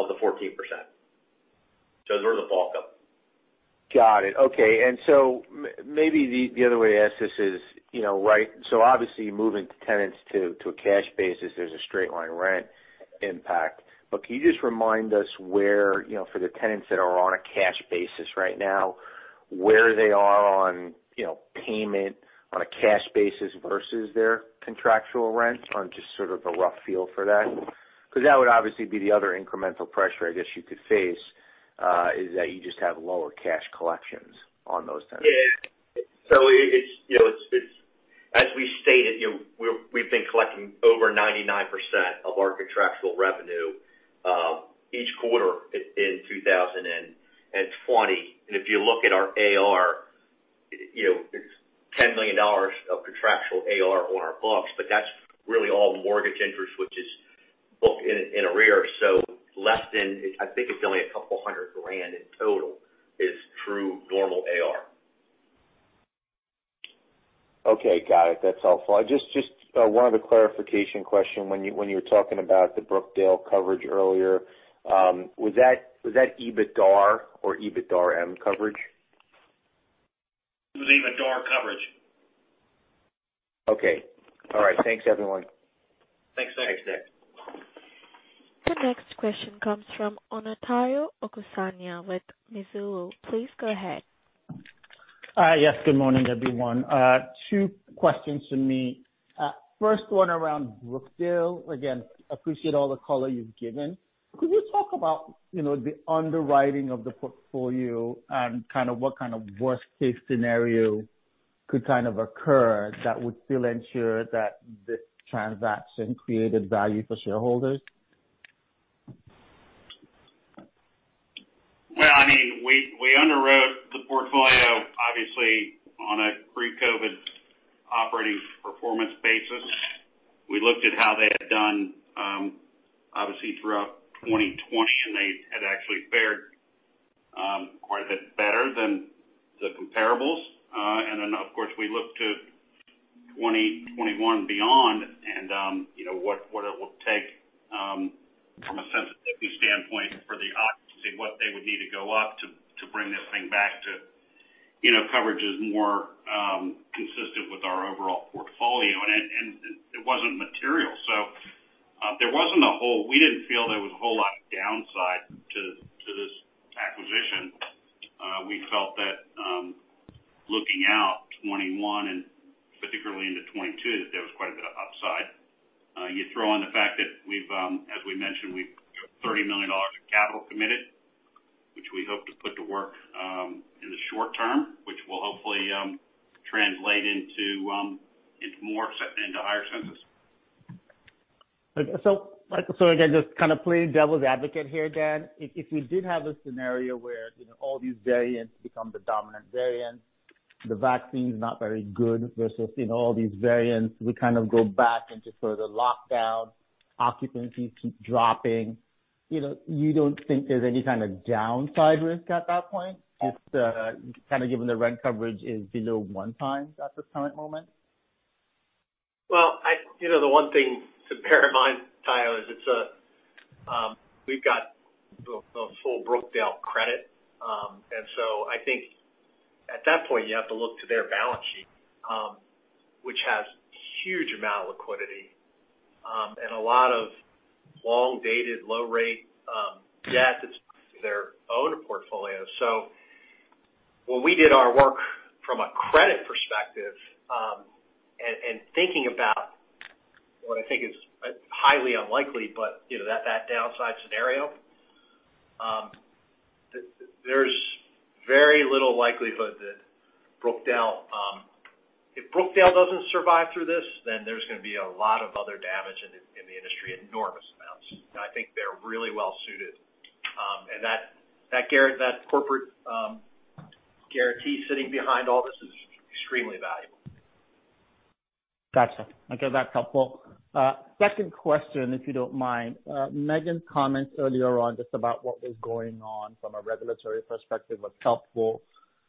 of the 14%. Those are the bulk of them. Got it. Okay. Maybe the other way to ask this is, obviously moving tenants to a cash basis, there's a straight line rent impact. Can you just remind us where, for the tenants that are on a cash basis right now, where they are on payment on a cash basis versus their contractual rent on just sort of a rough feel for that? That would obviously be the other incremental pressure, I guess you could face, is that you just have lower cash collections on those tenants. Yeah. As we stated, we've been collecting over 99% of our contractual revenue each quarter in 2020. If you look at our AR, there's $10 million of contractual AR on our books, but that's really all mortgage interest, which is booked in arrear. Less than, I think it's only a couple of hundred thousand in total is true normal AR. Okay. Got it. That's helpful. I just wanted a clarification question. When you were talking about the Brookdale coverage earlier, was that EBITDAR or EBITDARM coverage? EBITDAR coverage. Okay. All right. Thanks, everyone. Thanks. Thanks. Nick. The next question comes from Omotayo Okusanya with Mizuho. Please go ahead. Hi. Yes, good morning, everyone. Two questions from me. First one around Brookdale. Again, appreciate all the color you've given. Could you talk about the underwriting of the portfolio and what kind of worst-case scenario could occur that would still ensure that this transaction created value for shareholders? Well, we underwrote the portfolio, obviously, on a pre-COVID operating performance basis. We looked at how they had done, obviously, throughout 2020, and they had actually fared quite a bit better than the comparables. Of course, we look to 2021 beyond and what it will take from a sensitivity standpoint for the occupancy, what they would need to go up to bring this thing back to coverages more consistent with our overall portfolio. It wasn't material. We didn't feel there was a whole lot of downside to this acquisition. We felt that looking out 2021 and particularly into 2022, that there was quite a bit of upside. You throw in the fact that as we mentioned, we've $30 million of capital committed, which we hope to put to work in the short term, which will hopefully translate into higher census. Michele, sorry, again, just playing devil's advocate here again. If we did have a scenario where all these variants become the dominant variant, the vaccine's not very good versus all these variants, we go back into further lockdown, occupancies keep dropping, you don't think there's any kind of downside risk at that point, just given the rent coverage is below one time at this current moment? Well, the one thing to bear in mind, Tayo, is we've got the full Brookdale credit. I think at that point, you have to look to their balance sheet, which has huge amount of liquidity, and a lot of long-dated, low-rate debt that's their own portfolio. When we did our work from a credit perspective, and thinking about what I think is highly unlikely, but that downside scenario, there's very little likelihood. If Brookdale doesn't survive through this, then there's going to be a lot of other damage in the industry, enormous amounts. I think they're really well-suited. That corporate guarantee sitting behind all this is extremely valuable. Got you. Okay. That's helpful. Second question, if you don't mind. Megan's comments earlier on just about what was going on from a regulatory perspective was helpful.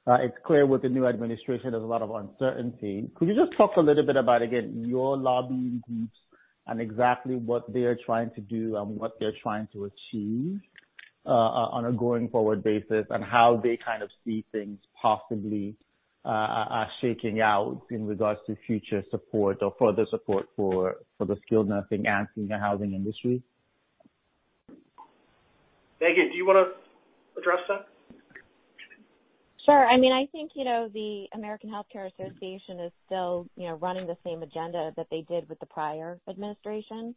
It's clear with the new administration, there's a lot of uncertainty. Could you just talk a little bit about, again, your lobbying groups and exactly what they are trying to do and what they're trying to achieve on a going-forward basis, and how they see things possibly shaking out in regards to future support or further support for the skilled nursing and senior housing industry? Megan, do you want to address that? Sure. I think the American Health Care Association is still running the same agenda that they did with the prior administration.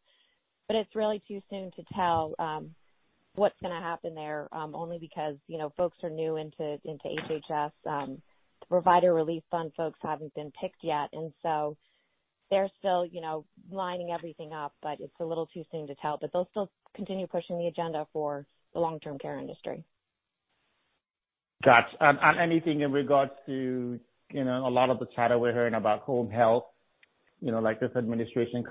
It's really too soon to tell what's going to happen there, only because folks are new into HHS. Provider Relief Fund folks haven't been picked yet. They're still lining everything up. It's a little too soon to tell. They'll still continue pushing the agenda for the long-term care industry. Got you. Anything in regards to a lot of the chatter we're hearing about home health, like this administration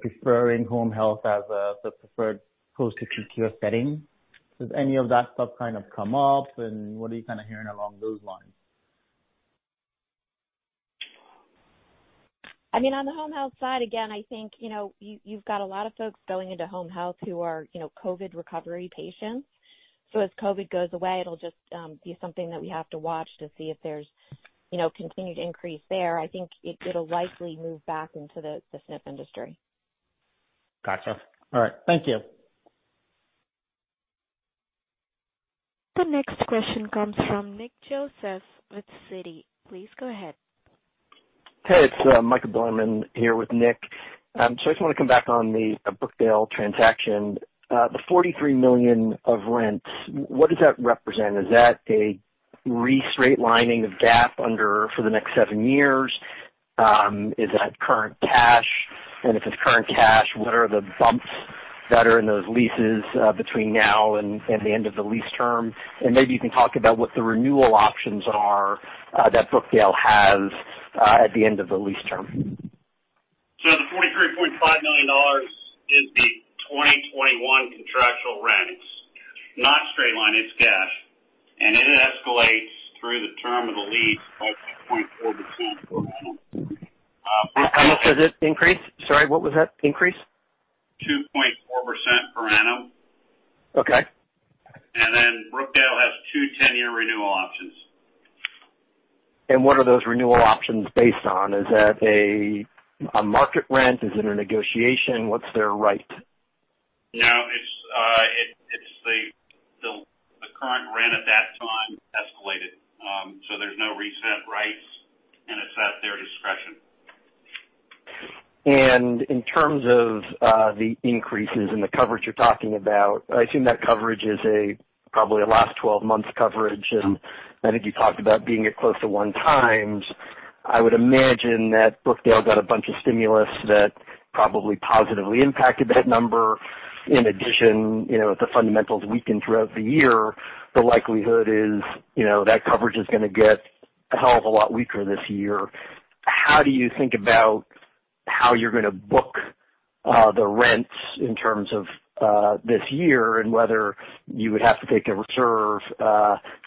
preferring home health as the preferred post-acute care setting? Has any of that stuff come up, and what are you hearing along those lines? On the home health side, again, I think you've got a lot of folks going into home health who are COVID recovery patients. As COVID goes away, it'll just be something that we have to watch to see if there's continued increase there. I think it'll likely move back into the SNF industry. Got you. All right. Thank you. The next question comes from Nick Joseph with Citi. Please go ahead. Hey, it's Michael Bilerman here with Nick. I just want to come back on the Brookdale transaction. The $43 million of rents, what does that represent? Is that a re-straight lining of GAAP for the next seven years? Is that current cash? If it's current cash, what are the bumps that are in those leases between now and the end of the lease term? Maybe you can talk about what the renewal options are that Brookdale has at the end of the lease term. The $43.5 million is the 2021 contractual rents, not straight line, it's cash. It escalates through the term of the lease by 2.4% per annum. How much does it increase? Sorry, what was that increase? 2.4% per annum. Okay. Brookdale has two 10-year renewal options. What are those renewal options based on? Is that a market rent? Is it a negotiation? What's their right? No, it's the current rent at that time escalated. There's no reset rights, and it's at their discretion. In terms of the increases in the coverage you're talking about, I assume that coverage is probably a last 12 months coverage, and I think you talked about being at close to one times. I would imagine that Brookdale got a bunch of stimulus that probably positively impacted that number. In addition, if the fundamentals weaken throughout the year, the likelihood is that coverage is going to get a hell of a lot weaker this year. How do you think about how you're going to book the rents in terms of this year, and whether you would have to take a reserve,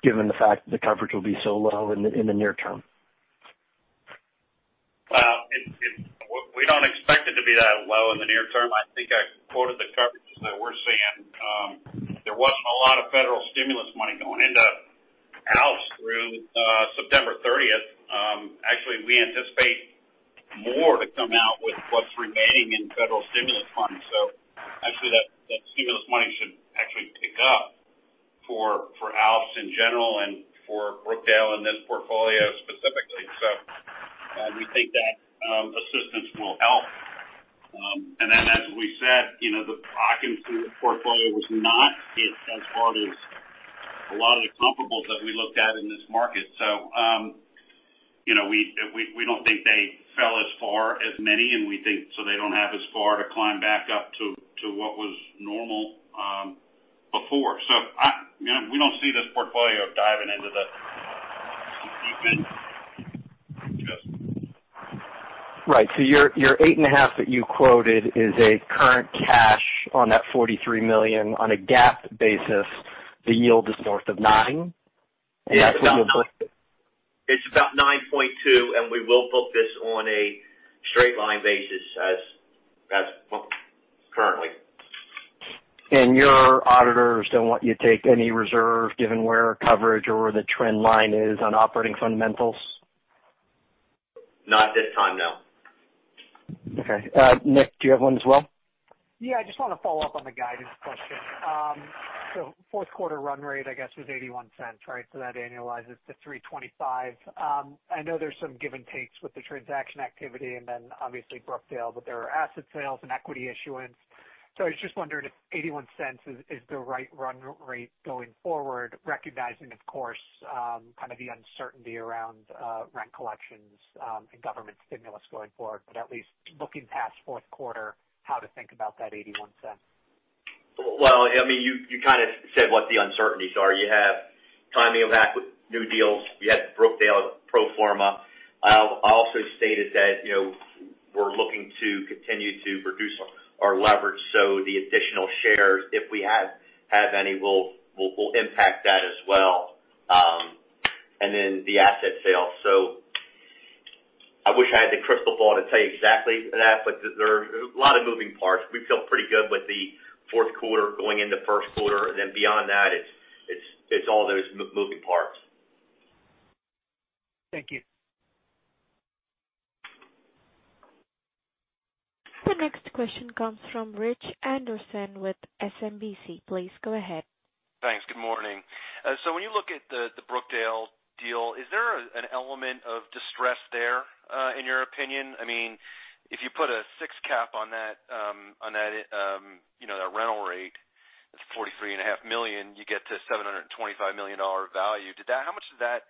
given the fact that the coverage will be so low in the near term? Well, we don't expect it to be that low in the near term. I think I quoted the coverages that we're seeing. There wasn't a lot of federal stimulus money going into ALFs through September 30th. Actually, we anticipate more to come out with what's remaining in federal stimulus funds. Actually that stimulus money should actually pick up for ALFs in general and for Brookdale and this portfolio specifically. We think that assistance will help. As we said, the occupancy of the portfolio was not hit as hard as a lot of the comparables that we looked at in this market. We don't think they fell as far as many, and we think so they don't have as far to climb back up to what was normal before. We don't see this portfolio diving into the deep end. Right. Your 8.5 that you quoted is a current cash on that $43 million. On a GAAP basis, the yield is north of nine? Yeah. That's what you'll book it? It's about 9.2, and we will book this on a straight line basis as currently. Your auditors don't want you to take any reserve given where coverage or where the trend line is on operating fundamentals? Not this time, no. Okay. Nick, do you have one as well? I just want to follow up on the guidance question. fourth quarter run rate, I guess was $0.81, right? That annualizes to $3.25. I know there's some give and takes with the transaction activity, and then obviously Brookdale, but there are asset sales and equity issuance. I was just wondering if $0.81 is the right run rate going forward, recognizing, of course, kind of the uncertainty around rent collections and government stimulus going forward, but at least looking past fourth quarter, how to think about that $0.81. Well, you kind of said what the uncertainties are. You have timing of new deals. We had Brookdale pro forma. I also stated that we're looking to continue to reduce our leverage. The additional shares, if we have any, will impact that as well. The asset sale. I wish I had the crystal ball to tell you exactly that, but there are a lot of moving parts. We feel pretty good with the fourth quarter going into first quarter, beyond that, it's all those moving parts. Thank you. The next question comes from Rich Anderson with SMBC. Please go ahead. Thanks. Good morning. When you look at the Brookdale deal, is there an element of distress there, in your opinion? If you put a six cap on that rental rate, that's $43.5 million, you get to $725 million value. How much did that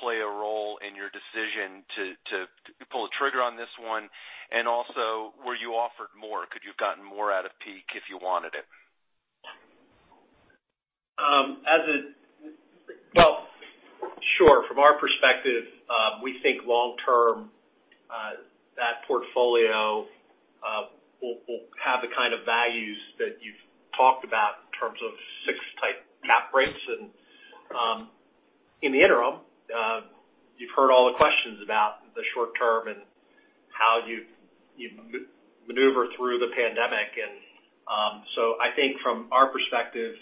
play a role in your decision to pull the trigger on this one? Also, were you offered more? Could you have gotten more out of Healthpeak if you wanted it? Sure. From our perspective, we think long term, that portfolio will have the kind of values that you've talked about in terms of six type cap rates. In the interim, you've heard all the questions about the short term and how you maneuver through the pandemic. I think from our perspective,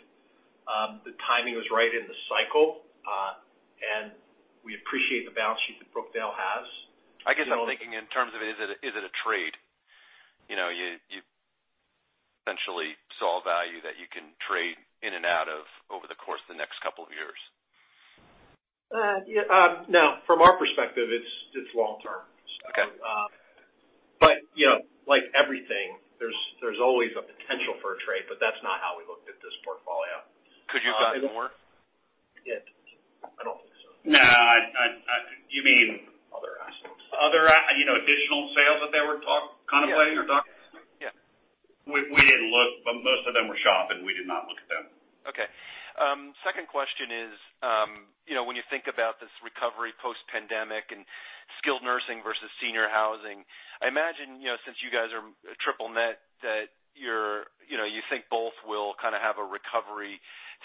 the timing was right in the cycle, and we appreciate the balance sheet that Brookdale has. I guess I'm thinking in terms of, is it a trade? You essentially saw value that you can trade in and out of over the course of the next couple of years. No. From our perspective, it's long term. Okay. Like everything, there's always a potential for a trade, but that's not how we looked at this portfolio. Could you have gotten more? I don't think so. No. Other assets. Other additional sales that they were contemplating or talking? Yeah. We didn't look, but most of them were shopping. We did not look at them. Okay. Second question is, when you think about this recovery post-pandemic and skilled nursing versus senior housing, I imagine, since you guys are triple net that you think both will kind of have a recovery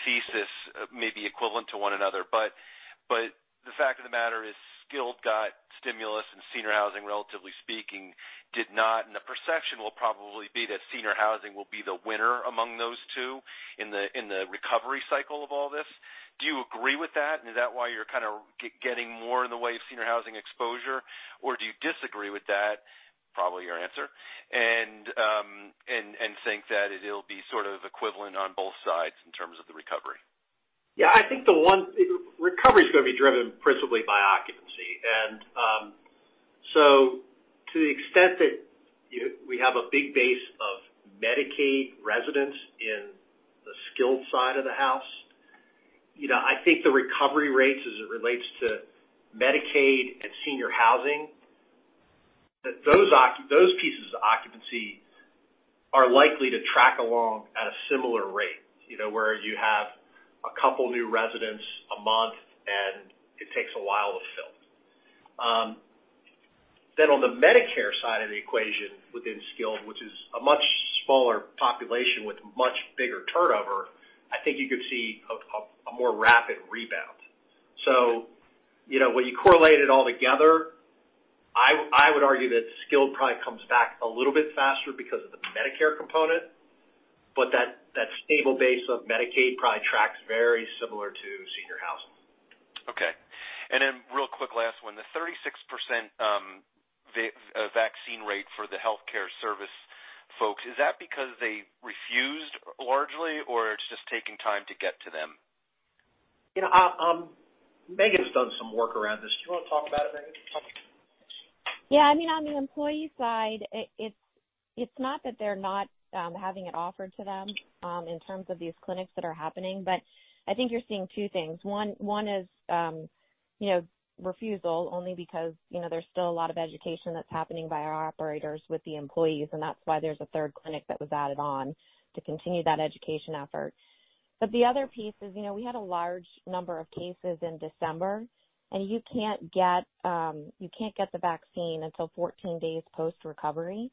thesis maybe equivalent to one another. The fact of the matter is skilled got stimulus and senior housing, relatively speaking, did not, and the perception will probably be that senior housing will be the winner among those two in the recovery cycle of all this. Do you agree with that, and is that why you're getting more in the way of senior housing exposure? Do you disagree with that, probably your answer, and think that it'll be equivalent on both sides in terms of the recovery? Yeah, I think the recovery's going to be driven principally by occupancy. To the extent that we have a big base of Medicaid residents in the skilled side of the house, I think the recovery rates as it relates to Medicaid and senior housing, that those pieces of occupancy are likely to track along at a similar rate. Where you have a couple of new residents a month, and it takes a while to fill. On the Medicare side of the equation within skilled, which is a much smaller population with much bigger turnover, I think you could see a more rapid rebound. When you correlate it all together, I would argue that skilled probably comes back a little bit faster because of the Medicare component, but that stable base of Medicaid probably tracks very similar to senior housing. Okay. Real quick, last one. The 36% vaccine rate for the healthcare service folks, is that because they refused largely, or it's just taking time to get to them? Megan's done some work around this. Do you want to talk about it, Megan? Yeah. On the employee side, it's not that they're not having it offered to them in terms of these clinics that are happening. I think you're seeing two things. One is refusal only because there's still a lot of education that's happening by our operators with the employees, and that's why there's a third clinic that was added on to continue that education effort. The other piece is, we had a large number of cases in December, and you can't get the vaccine until 14 days post-recovery.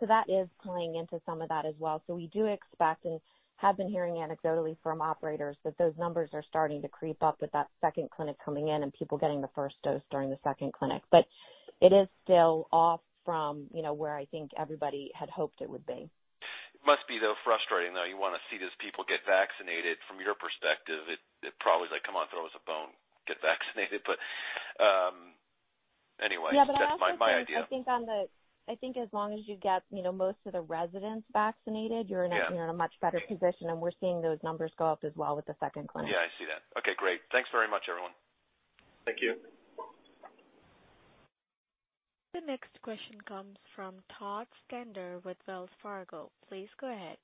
That is playing into some of that as well. We do expect and have been hearing anecdotally from operators that those numbers are starting to creep up with that second clinic coming in and people getting the first dose during the second clinic. It is still off from where I think everybody had hoped it would be. It must be, though, frustrating, though. You want to see these people get vaccinated. From your perspective, it probably is like, "Come on, throw us a bone. Get vaccinated." Anyway, that's my idea. Yeah, I think as long as you get most of the residents vaccinated, you're in a much better position, and we're seeing those numbers go up as well with the second clinic. Yeah, I see that. Okay, great. Thanks very much, everyone. Thank you. The next question comes from Todd Stender with Wells Fargo. Please go ahead.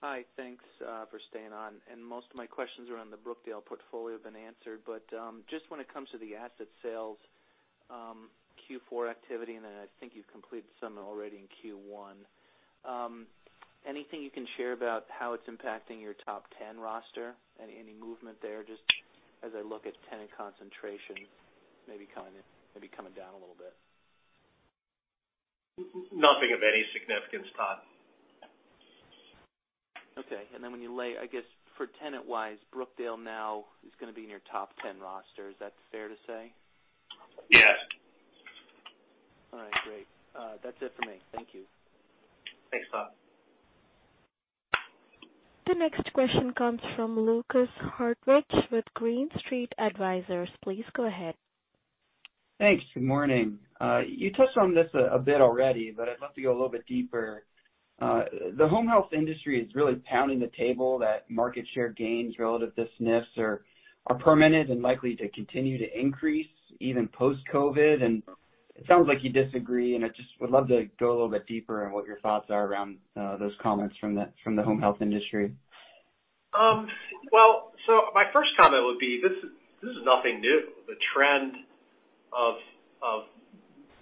Hi. Thanks for staying on. Most of my questions around the Brookdale portfolio have been answered, but just when it comes to the asset sales Q4 activity, and then I think you've completed some already in Q1. Anything you can share about how it's impacting your top 10 roster? Any movement there, just as I look at tenant concentration maybe coming down a little bit? Nothing of any significance, Todd. Okay. When you lay, I guess, for tenant-wise, Brookdale now is going to be in your top 10 roster. Is that fair to say? Yes. All right, great. That's it for me. Thank you. Thanks, Todd. The next question comes from Lukas Hartwich with Green Street Advisors. Please go ahead. Thanks. Good morning. You touched on this a bit already, but I'd love to go a little bit deeper. The home health industry is really pounding the table that market share gains relative to SNFs are permanent and likely to continue to increase even post-COVID, and it sounds like you disagree, and I just would love to go a little bit deeper on what your thoughts are around those comments from the home health industry. My first comment would be, this is nothing new. The trend of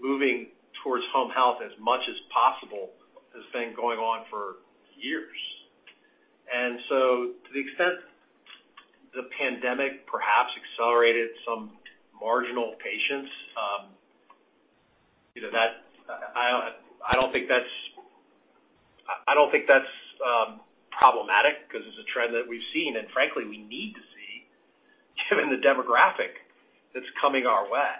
moving towards home health as much as possible has been going on for years. To the extent the pandemic perhaps accelerated some marginal patients, I don't think that's problematic because it's a trend that we've seen, and frankly, we need to see given the demographic that's coming our way.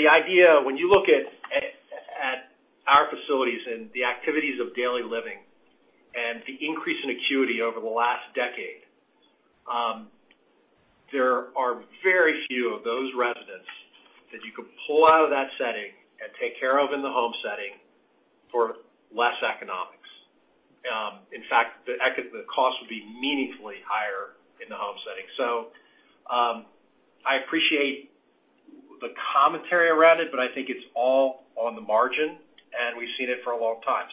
The idea, when you look at our facilities and the activities of daily living and the increase in acuity over the last decade, there are very few of those residents that you could pull out of that setting and take care of in the home setting for less economics. In fact, the cost would be meaningfully higher in the home setting. I appreciate the commentary around it, but I think it's all on the margin, and we've seen it for a long time.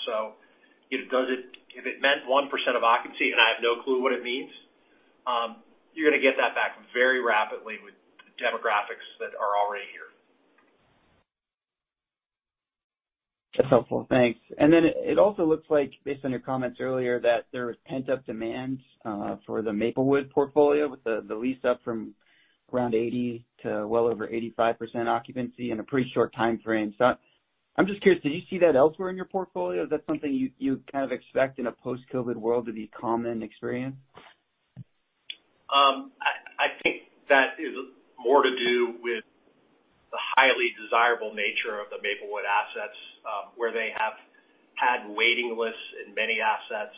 If it meant 1% of occupancy, and I have no clue what it means, you're going to get that back very rapidly with the demographics that are already here. That's helpful. Thanks. It also looks like, based on your comments earlier, that there was pent-up demand for the Maplewood portfolio with the lease-up from around 80% to well over 85% occupancy in a pretty short timeframe. I'm just curious, did you see that elsewhere in your portfolio? Is that something you kind of expect in a post-COVID world to be a common experience? I think that is more to do with the highly desirable nature of the Maplewood assets, where they have had waiting lists in many assets.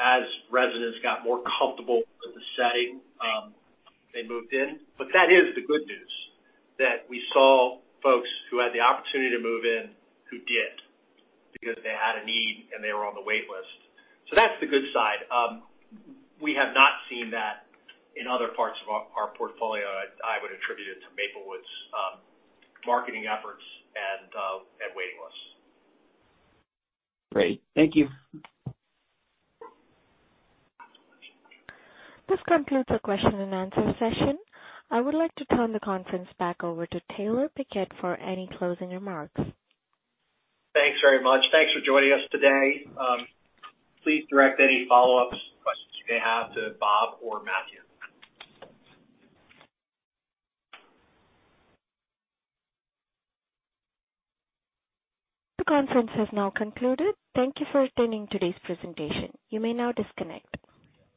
As residents got more comfortable with the setting, they moved in. That is the good news, that we saw folks who had the opportunity to move in, who did, because they had a need, and they were on the wait list. That's the good side. We have not seen that in other parts of our portfolio. I would attribute it to Maplewood's marketing efforts and wait lists. Great. Thank you. This concludes our question and answer session. I would like to turn the conference back over to Taylor Pickett for any closing remarks. Thanks very much. Thanks for joining us today. Please direct any follow-up questions you may have to Bob or Matthew. The conference has now concluded. Thank you for attending today's presentation. You may now disconnect.